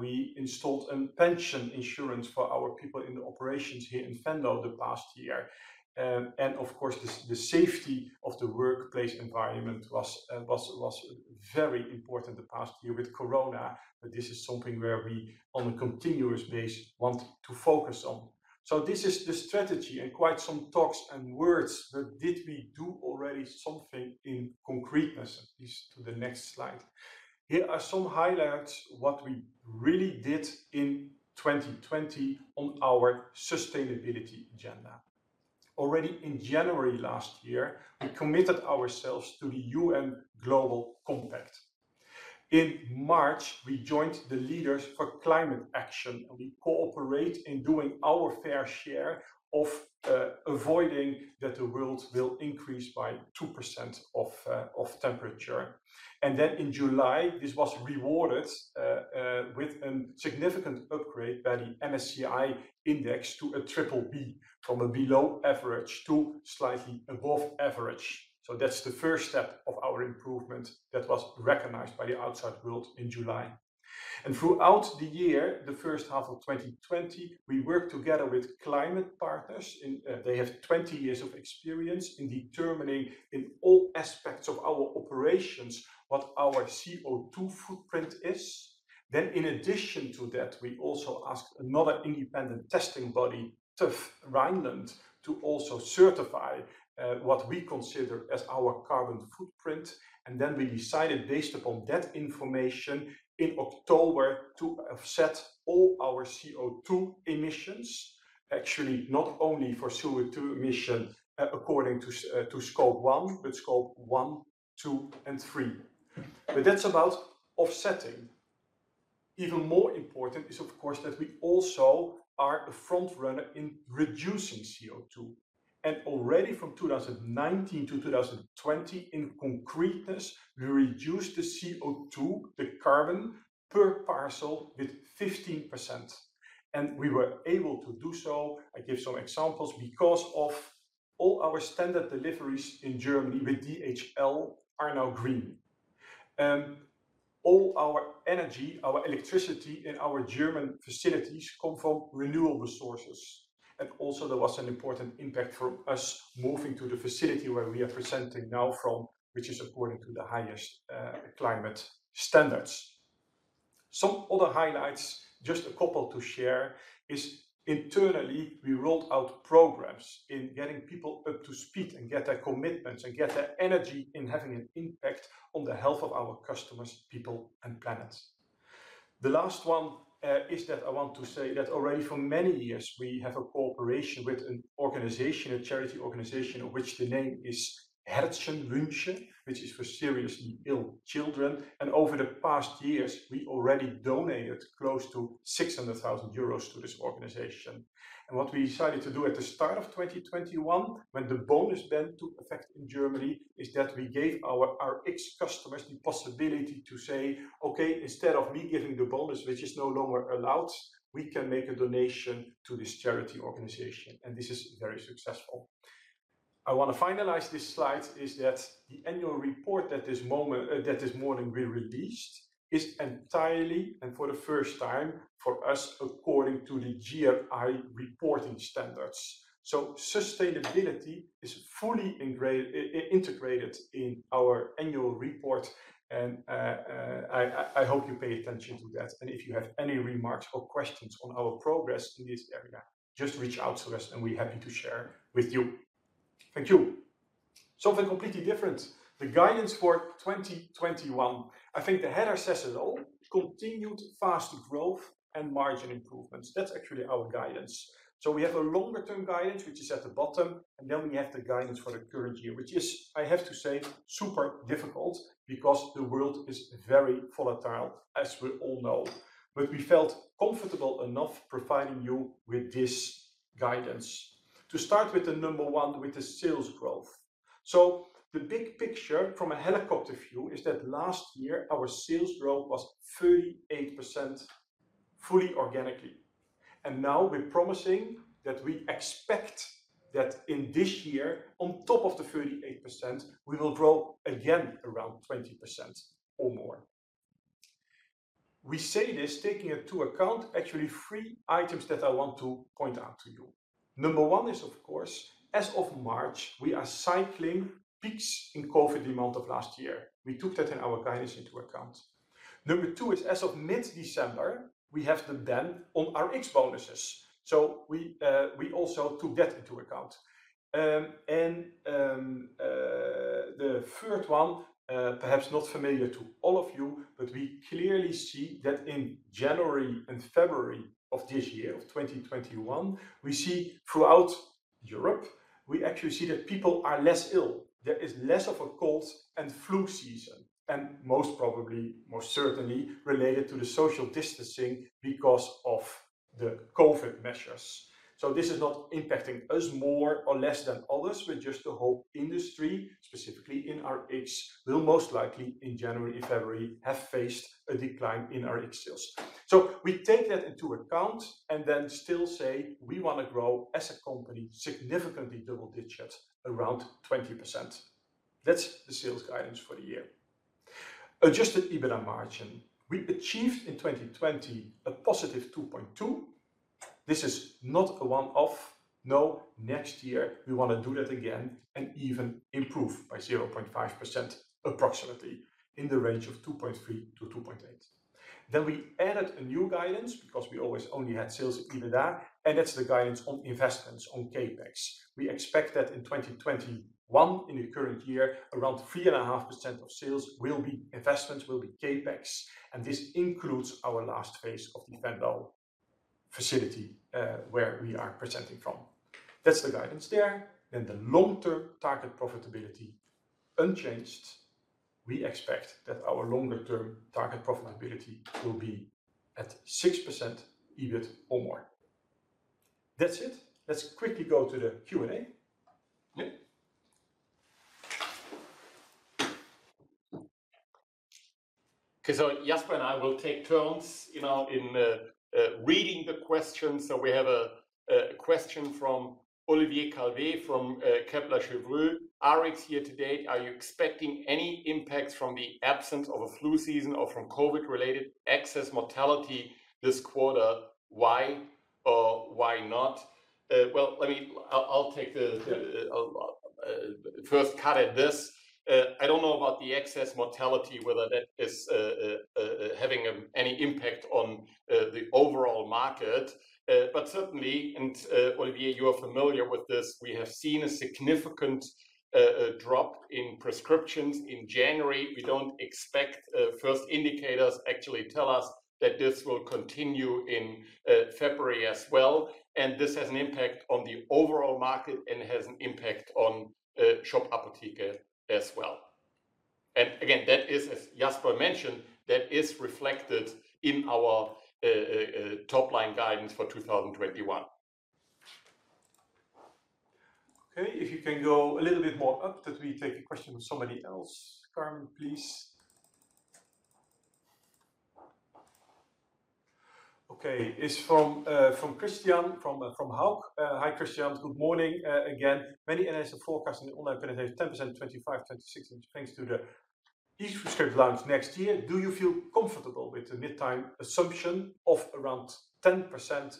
We installed a pension insurance for our people in the operations here in Venlo the past year. Of course, the safety of the workplace environment was very important the past year with Corona, but this is something where we on a continuous basis want to focus on. This is the strategy and quite some talks and words, but did we do already something in concreteness? Please to the next slide. Here are some highlights what we really did in 2020 on our sustainability agenda. Already in January last year, we committed ourselves to the UN Global Compact. In March, we joined the Leaders for Climate Action, and we cooperate in doing our fair share of avoiding that the world will increase by 2% of temperature. In July, this was rewarded a significant upgrade by the MSCI index to a BBB from a below average to slightly above average. That's the first step of our improvement that was recognized by the outside world in July. Throughout the year, the first half of 2020, we worked together with ClimatePartner. They have 20 years of experience in determining, in all aspects of our operations, what our CO2 footprint is. In addition to that, we also asked another independent testing body, TÜV Rheinland, to also certify what we consider as our carbon footprint. We decided based upon that information in October to offset all our CO2 emissions. Actually, not only for CO2 emission according to Scope 1, but Scope 1, 2, and 3. That's about offsetting. Even more important is of course that we also are a front runner in reducing CO2. Already from 2019 to 2020 in concreteness, we reduced the CO2, the carbon per parcel with 15%. We were able to do so, I give some examples, because of all our standard deliveries in Germany with DHL are now green. All our energy, our electricity in our German facilities come from renewable sources. Also there was an important impact for us moving to the facility where we are presenting now from, which is according to the highest climate standards. Some other highlights, just a couple to share, is internally we rolled out programs in getting people up to speed and get their commitments and get their energy in having an impact on the health of our customers, people, and planets. The last one is that I want to say that already for many years we have a cooperation with an organization, a charity organization, of which the name is Herzenswünsche, which is for seriously ill children. Over the past years, we already donated close to 600,000 euros to this organization. What we decided to do at the start of 2021, when the bonus ban took effect in Germany, is that we gave our ex-customers the possibility to say, "Okay, instead of me giving the bonus, which is no longer allowed, we can make a donation to this charity organization." This is very successful. I want to finalize this slide is that the annual report that this moment, that this morning we released is entirely, and for the first time for us, according to the GRI reporting standards. Sustainability is fully integrated in our annual report and I hope you pay attention to that. If you have any remarks or questions on our progress in this area, just reach out to us and we're happy to share with you. Thank you. Something completely different. The guidance for 2021. I think the header says it all, continued fast growth and margin improvements. That's actually our guidance. We have a longer term guidance, which is at the bottom. We have the guidance for the current year, which is, I have to say, super difficult because the world is very volatile, as we all know. We felt comfortable enough providing you with this guidance. To start with the number one, with the sales growth. The big picture from a helicopter view is that last year our sales growth was 38% fully organically. Now we're promising that we expect that in this year, on top of the 38%, we will grow again around 20% or more. We say this taking into account actually three items that I want to point out to you. Number one is, of course, as of March, we are cycling peaks in COVID demand of last year. We took that in our guidance into account. Number two is as of mid-December, we have the ban on our Rx bonuses. We also took that into account. The third one, perhaps not familiar to all of you, but we clearly see that in January and February of this year, of 2021, we see throughout Europe, we actually see that people are less ill. Most probably, most certainly related to the social distancing because of the COVID measures. This is not impacting us more or less than others, but just the whole industry, specifically in our age, will most likely in January, February have faced a decline in our sales. We take that into account and then still say we wanna grow as a company, significantly double digits around 20%. That's the sales guidance for the year. Adjusted EBITDA margin. We achieved in 2020 a +2.2%. This is not a one-off. Next year we want to do that again and even improve by 0.5% approximately in the range of 2.3%-2.8%. We added a new guidance because we always only had sales, EBITDA, and that's the guidance on investments on CapEx. We expect that in 2021, in the current year, around 3.5% of sales will be investments, will be CapEx, and this includes our last phase of the Sevenum facility, where we are presenting from. That's the guidance there. The long-term target profitability unchanged. We expect that our longer term target profitability will be at 6% EBIT or more. That's it. Let's quickly go to the Q&A. Nick? Okay. Jasper and I will take turns, you know, in reading the questions. We have a question from Olivier Calvet from Kepler Cheuvreux. Rx year to date, are you expecting any impacts from the absence of a flu season or from COVID-related excess mortality this quarter? Why or why not? Well, let me I'll take the first cut at this. I don't know about the excess mortality, whether that is having any impact on the overall market. Certainly, and Olivier, you are familiar with this, we have seen a significant drop in prescriptions in January. We don't expect, first indicators actually tell us that this will continue in February as well. This has an impact on the overall market and has an impact on SHOP APOTHEKE as well. Again, that is, as Jasper mentioned, that is reflected in our top line guidance for 2021. Okay. If you can go a little bit more up that we take a question from somebody else. Carmen, please. Okay. It's from Christian, from Hauck. Hi, Christian. Good morning. Many analysts are forecasting the online penetration 10% 2025, 2026, which thanks to the e-prescription launch next year, do you feel comfortable with the mid-term assumption of around 10%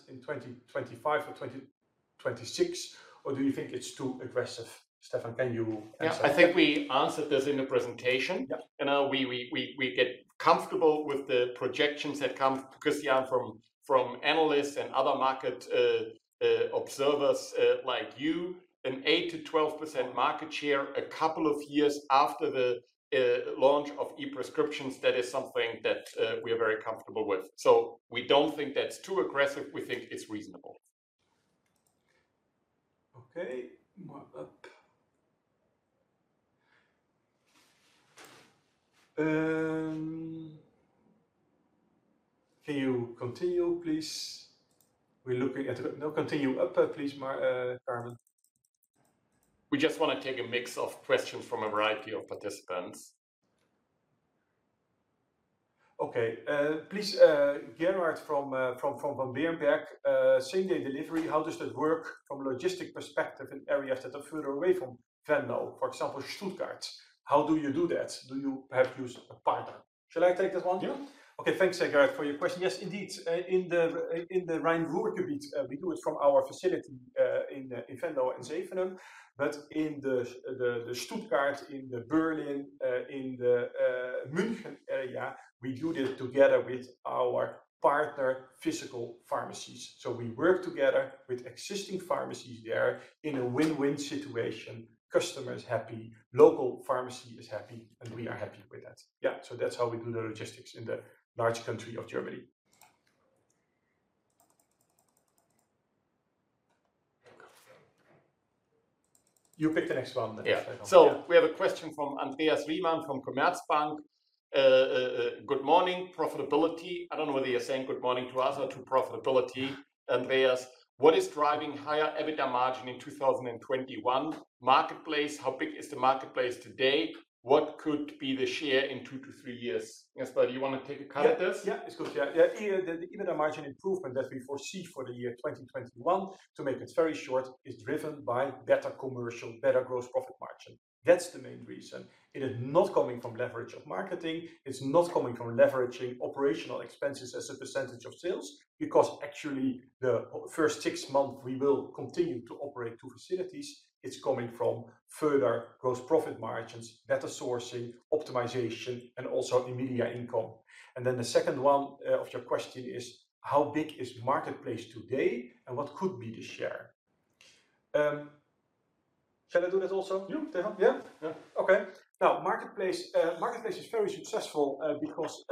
in 2025 or 2026? Or do you think it's too aggressive? Stefan, can you answer that? Yeah, I think we answered this in the presentation. Yeah. You know, we get comfortable with the projections that come, Christian, from analysts and other market observers like you. An 8%-12% market share a couple of years after the launch of e-prescriptions, that is something that we are very comfortable with. We don't think that's too aggressive. We think it's reasonable. Okay. More up. Can you continue, please? No, continue up, please, Carmen. We just wanna take a mix of questions from a variety of participants. Okay. Please, Gerhard from Berenberg, same-day delivery, how does that work from logistic perspective in areas that are further away from Venlo, for example, Stuttgart? How do you do that? Do you have to use a partner? Shall I take that one? Yeah. Okay. Thanks, Gerhard, for your question. Yes, indeed. In the Rhein-Ruhr-Gebiet, we do it from our facility in Venlo and Sevenum. In the Stuttgart, the Berlin, in the München area, we do this together with our partner physical pharmacies. We work together with existing pharmacies there in a win-win situation. Customer is happy, local pharmacy is happy, and we are happy with that. Yeah, that's how we do the logistics in the large country of Germany. You pick the next one. Yeah. We have a question from Andreas Riemann from Commerzbank. Good morning. Profitability. I don't know whether you're saying good morning to us or to profitability, Andreas. What is driving higher EBITDA margin in 2021? Marketplace? How big is the marketplace today? What could be the share in two to three years? Jasper, do you wanna take a cut at this? Yeah. Yeah, it's good. The EBITDA margin improvement that we foresee for the year 2021, to make it very short, is driven by better commercial, better gross profit margin. That's the main reason. It is not coming from leverage of marketing. It's not coming from leveraging operational expenses as a percentage of sales, because actually the first six months we will continue to operate two facilities. It's coming from further gross profit margins, better sourcing, optimization, also in media income. The second one of your question is, how big is marketplace today, and what could be the share? Shall I do this also? Yeah. Yeah? Yeah. Okay. Marketplace is very successful because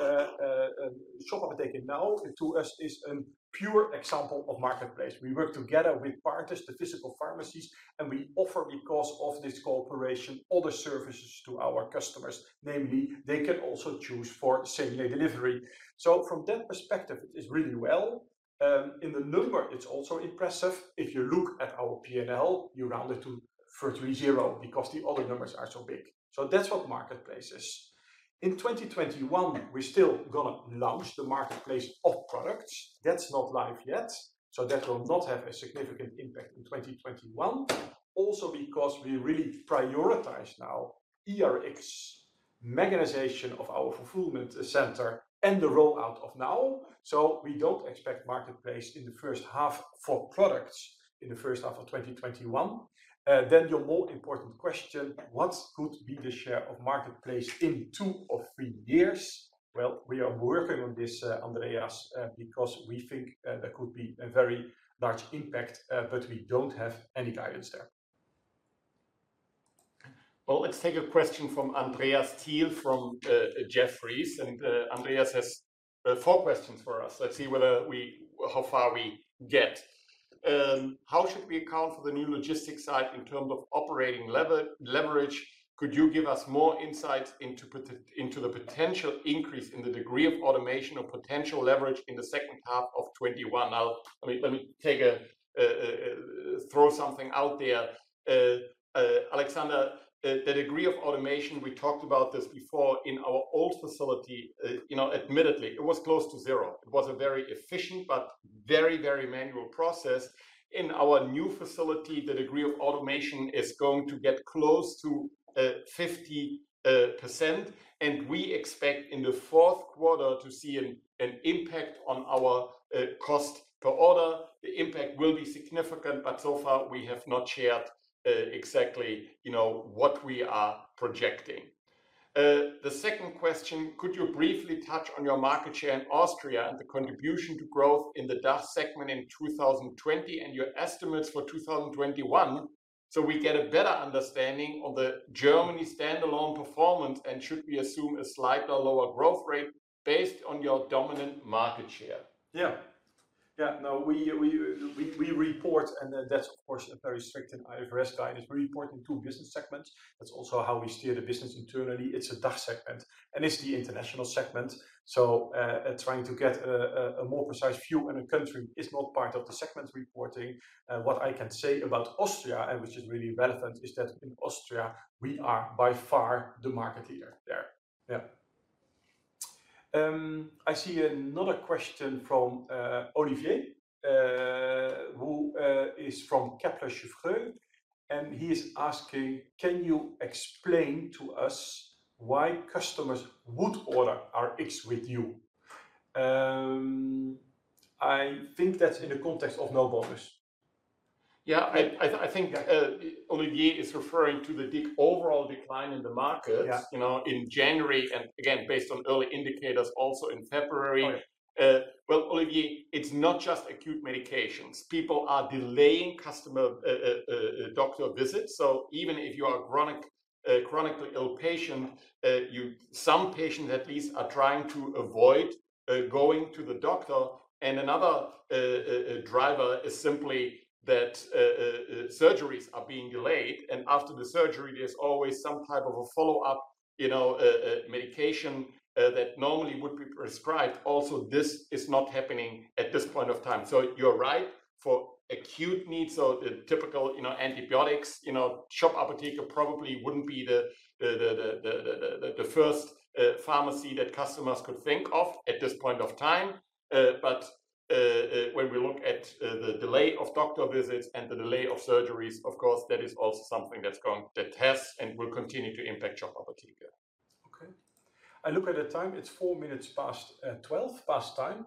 SHOP APOTHEKE in NOW! to us is a pure example of marketplace. We work together with partners, the physical pharmacies, we offer, because of this cooperation, other services to our customers. Namely, they can also choose for same-day delivery. From that perspective, it is really well. In the number, it's also impressive. If you look at our P&L, you round it to 30 because the other numbers are so big. That's what marketplace is. In 2021, we're still gonna launch the marketplace of products. That's not live yet, that will not have a significant impact in 2021. Because we really prioritize now e-Rx mechanization of our fulfillment center and the rollout of NOW! We don't expect marketplace in the first half for products in the first half of 2021. Your more important question, what could be the share of marketplace in two or three years? Well, we are working on this, Andreas, because we think there could be a very large impact, but we don't have any guidance there. Well, let's take a question from Alexander Thiel from Jefferies. Alexander Thiel has four questions for us. Let's see whether we how far we get. How should we account for the new logistics site in terms of operating leverage? Could you give us more insight into the potential increase in the degree of automation or potential leverage in the second half of 2021? Now, I mean, let me throw something out there. Alexander, the degree of automation, we talked about this before in our old facility. You know, admittedly, it was close to zero. It was a very efficient but very, very manual process. In our new facility, the degree of automation is going to get close to 50%, and we expect in the fourth quarter to see an impact on our cost per order. The impact will be significant, but so far we have not shared exactly, you know, what we are projecting. The second question, could you briefly touch on your market share in Austria and the contribution to growth in the DACH segment in 2020 and your estimates for 2021 so we get a better understanding of the Germany standalone performance? Should we assume a slightly lower growth rate based on your dominant market share? We report, and that's of course a very strict IFRS guidance. We report in two business segments. That's also how we steer the business internally. It's a DACH segment, and it's the international segment. Trying to get a more precise view in a country is not part of the segment reporting. What I can say about Austria, and which is really relevant, is that in Austria we are by far the market leader there. I see another question from Olivier, who is from Kepler Cheuvreux, and he is asking, "Can you explain to us why customers would order Rx with you?" I think that's in the context of no borders. Yeah. I think. Yeah. Olivier is referring to the overall decline in the market. Yeah You know, in January, and again, based on early indicators also in February. Right. Well, Olivier, it's not just acute medications. People are delaying customer doctor visits. Even if you are a chronic, chronically ill patient, Some patients at least are trying to avoid going to the doctor. Another driver is simply that surgeries are being delayed, and after the surgery there's always some type of a follow-up, you know, medication that normally would be prescribed. Also, this is not happening at this point of time. You're right. For acute needs or the typical, you know, antibiotics, you know, SHOP APOTHEKE probably wouldn't be the first pharmacy that customers could think of at this point of time. When we look at the delay of doctor visits and the delay of surgeries, of course, that is also something that has and will continue to impact SHOP APOTHEKE. Okay. I look at the time, it's four minutes past, 12, past time.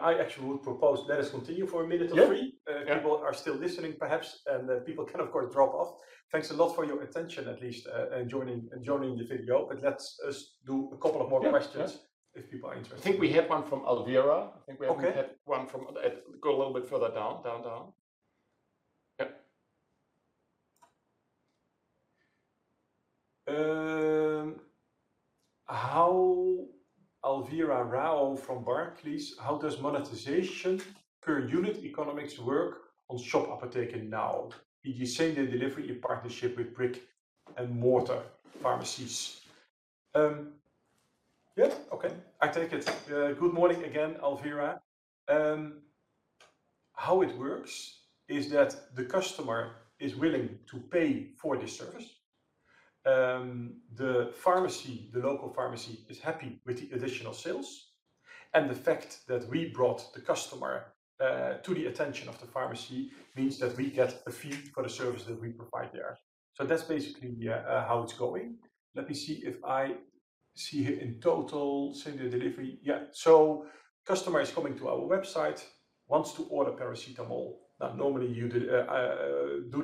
I actually would propose let us continue for a minute or three. Yeah. Yeah. People are still listening perhaps, and people can of course drop off. Thanks a lot for your attention at least, in joining the video. Let's do a couple of more questions. Yeah. Yeah. If people are interested. I think we had one from Alvira. Okay. I think we had one from, go a little bit further down. Yeah. How- Alvira Rao from Barclays. "How does monetization per unit economics work on SHOP APOTHEKE NOW!? Did you say they deliver in partnership with brick-and-mortar pharmacies?" Yeah. Okay. I take it. Good morning again, Alvira. How it works is that the customer is willing to pay for the service. The pharmacy, the local pharmacy is happy with the additional sales, and the fact that we brought the customer to the attention of the pharmacy means that we get a fee for the service that we provide there. That's basically, yeah, how it's going. Let me see if I see here in total same day delivery. Yeah. Customer is coming to our website, wants to order paracetamol. Normally you do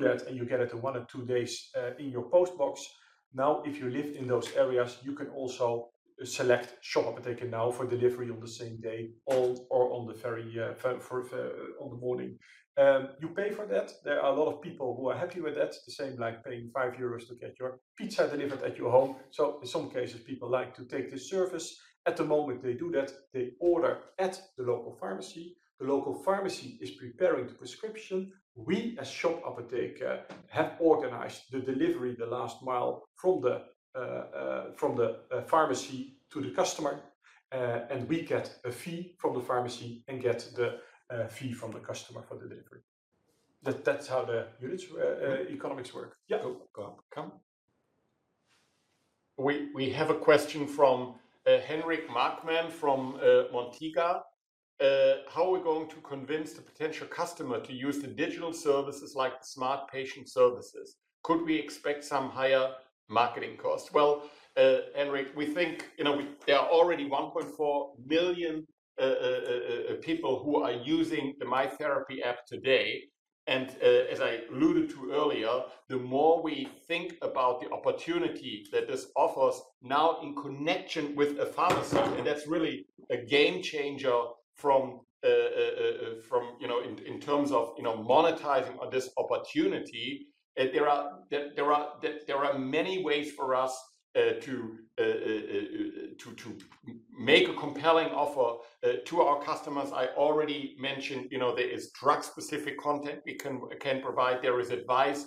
that, and you get it in 1 or 2 days in your post box. If you live in those areas, you can also select SHOP APOTHEKE NOW! for delivery on the same day or on the morning. You pay for that. There are a lot of people who are happy with that, the same like paying 5 euros to get your pizza delivered at your home. In some cases, people like to take the service. At the moment they do that, they order at the local pharmacy. The local pharmacy is preparing the prescription. We as SHOP APOTHEKE have organized the delivery, the last mile from the pharmacy to the customer, and we get a fee from the pharmacy and get the fee from the customer for the delivery. That's how the units economics work. Go on. We have a question from Henrik Markmann from Montega. "How are we going to convince the potential customer to use the digital services like the smartpatient services? Could we expect some higher marketing costs?" Well, Henrik, we think, you know, there are already 1.4 million people who are using the MyTherapy app today. As I alluded to earlier, the more we think about the opportunity that this offers now in connection with a pharmacy, that's really a game changer from, you know, in terms of, you know, monetizing this opportunity. There are many ways for us to make a compelling offer to our customers. I already mentioned, you know, there is drug-specific content we can provide. There is advice,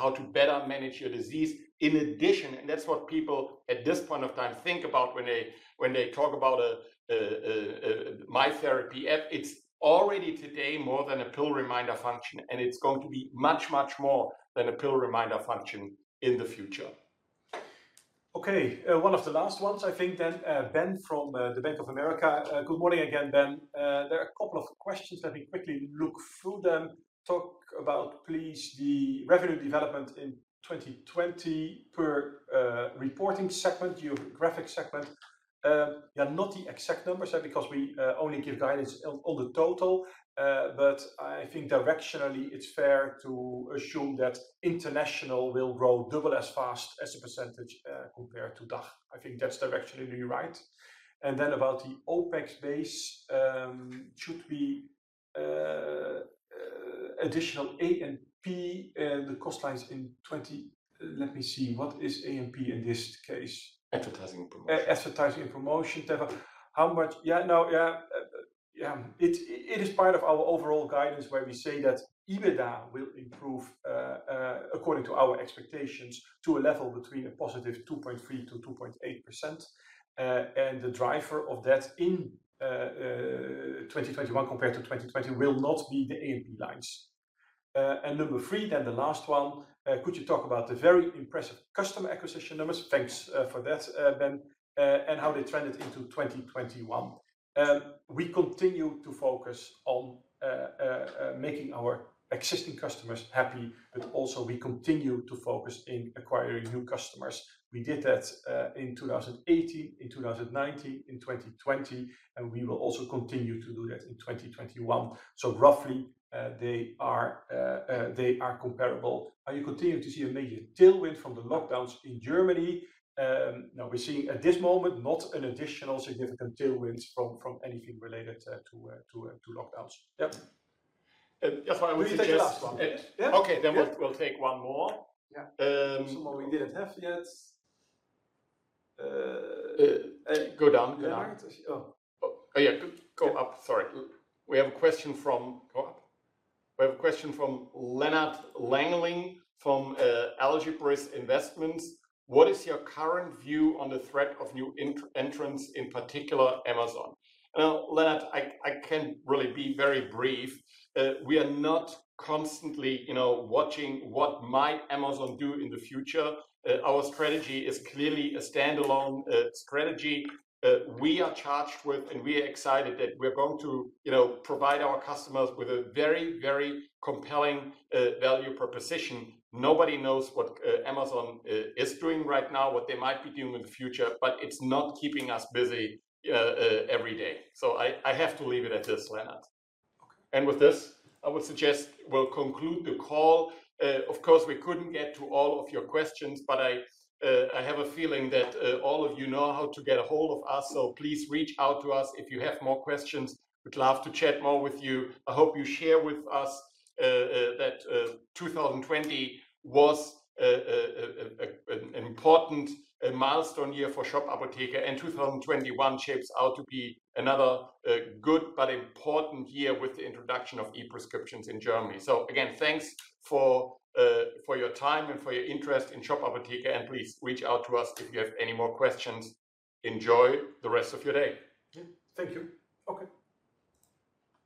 how to better manage your disease. In addition, and that's what people at this point of time think about when they talk about a MyTherapy app, it's already today more than a pill reminder function, and it's going to be much, much more than a pill reminder function in the future. Okay. One of the last ones I think then, Ben from the Bank of America. Good morning again, Ben. There are a couple of questions. Let me quickly look through them. Talk about please the revenue development in 2020 per reporting segment, geographic segment. Yeah, not the exact numbers, because we only give guidance on the total. But I think directionally it's fair to assume that international will grow double as fast as a percentage compared to DACH. I think that's directionally right. About the OpEx base, should be additional A&P, the cost lines in 2020. Let me see, what is A&P in this case? Advertising and Promotion. Advertising and Promotion. Never How much Yeah, no, yeah. Yeah. It is part of our overall guidance where we say that EBITDA will improve according to our expectations, to a level between a +2.3% to 2.8%. The driver of that in 2021 compared to 2020 will not be the A&P lines. Number three, the last one, could you talk about the very impressive customer acquisition numbers, thanks for that, Ben, how they trended into 2021? We continue to focus on making our existing customers happy, also we continue to focus in acquiring new customers. We did that in 2018, in 2019, in 2020. We will also continue to do that in 2021. Roughly, they are comparable. Are you continuing to see a major tailwind from the lockdowns in Germany? No, we're seeing at this moment not an additional significant tailwinds from anything related to lockdowns. Yep. And if I would suggest- We can take the last one. Okay. Yeah. We'll take one more. Yeah. Um- Some more we didn't have yet. Go down. Oh. Go up, sorry. We have a question from Lennart Lengeling from Algebris Investments. What is your current view on the threat of new entrants, in particular Amazon? Lennart, I can really be very brief. We are not constantly, you know, watching what might Amazon do in the future. Our strategy is clearly a standalone strategy. We are charged with, and we are excited that we're going to, you know, provide our customers with a very, very compelling value proposition. Nobody knows what Amazon is doing right now, what they might be doing in the future, but it's not keeping us busy every day. I have to leave it at this, Lennart. Okay. With this, I would suggest we'll conclude the call. Of course, we couldn't get to all of your questions, but I have a feeling that all of you know how to get ahold of us, so please reach out to us if you have more questions. We'd love to chat more with you. I hope you share with us that 2020 was an important milestone year for SHOP APOTHEKE, and 2021 shapes out to be another good but important year with the introduction of e-prescriptions in Germany. Again, thanks for your time and for your interest in SHOP APOTHEKE, and please reach out to us if you have any more questions. Enjoy the rest of your day. Yeah. Thank you. Okay.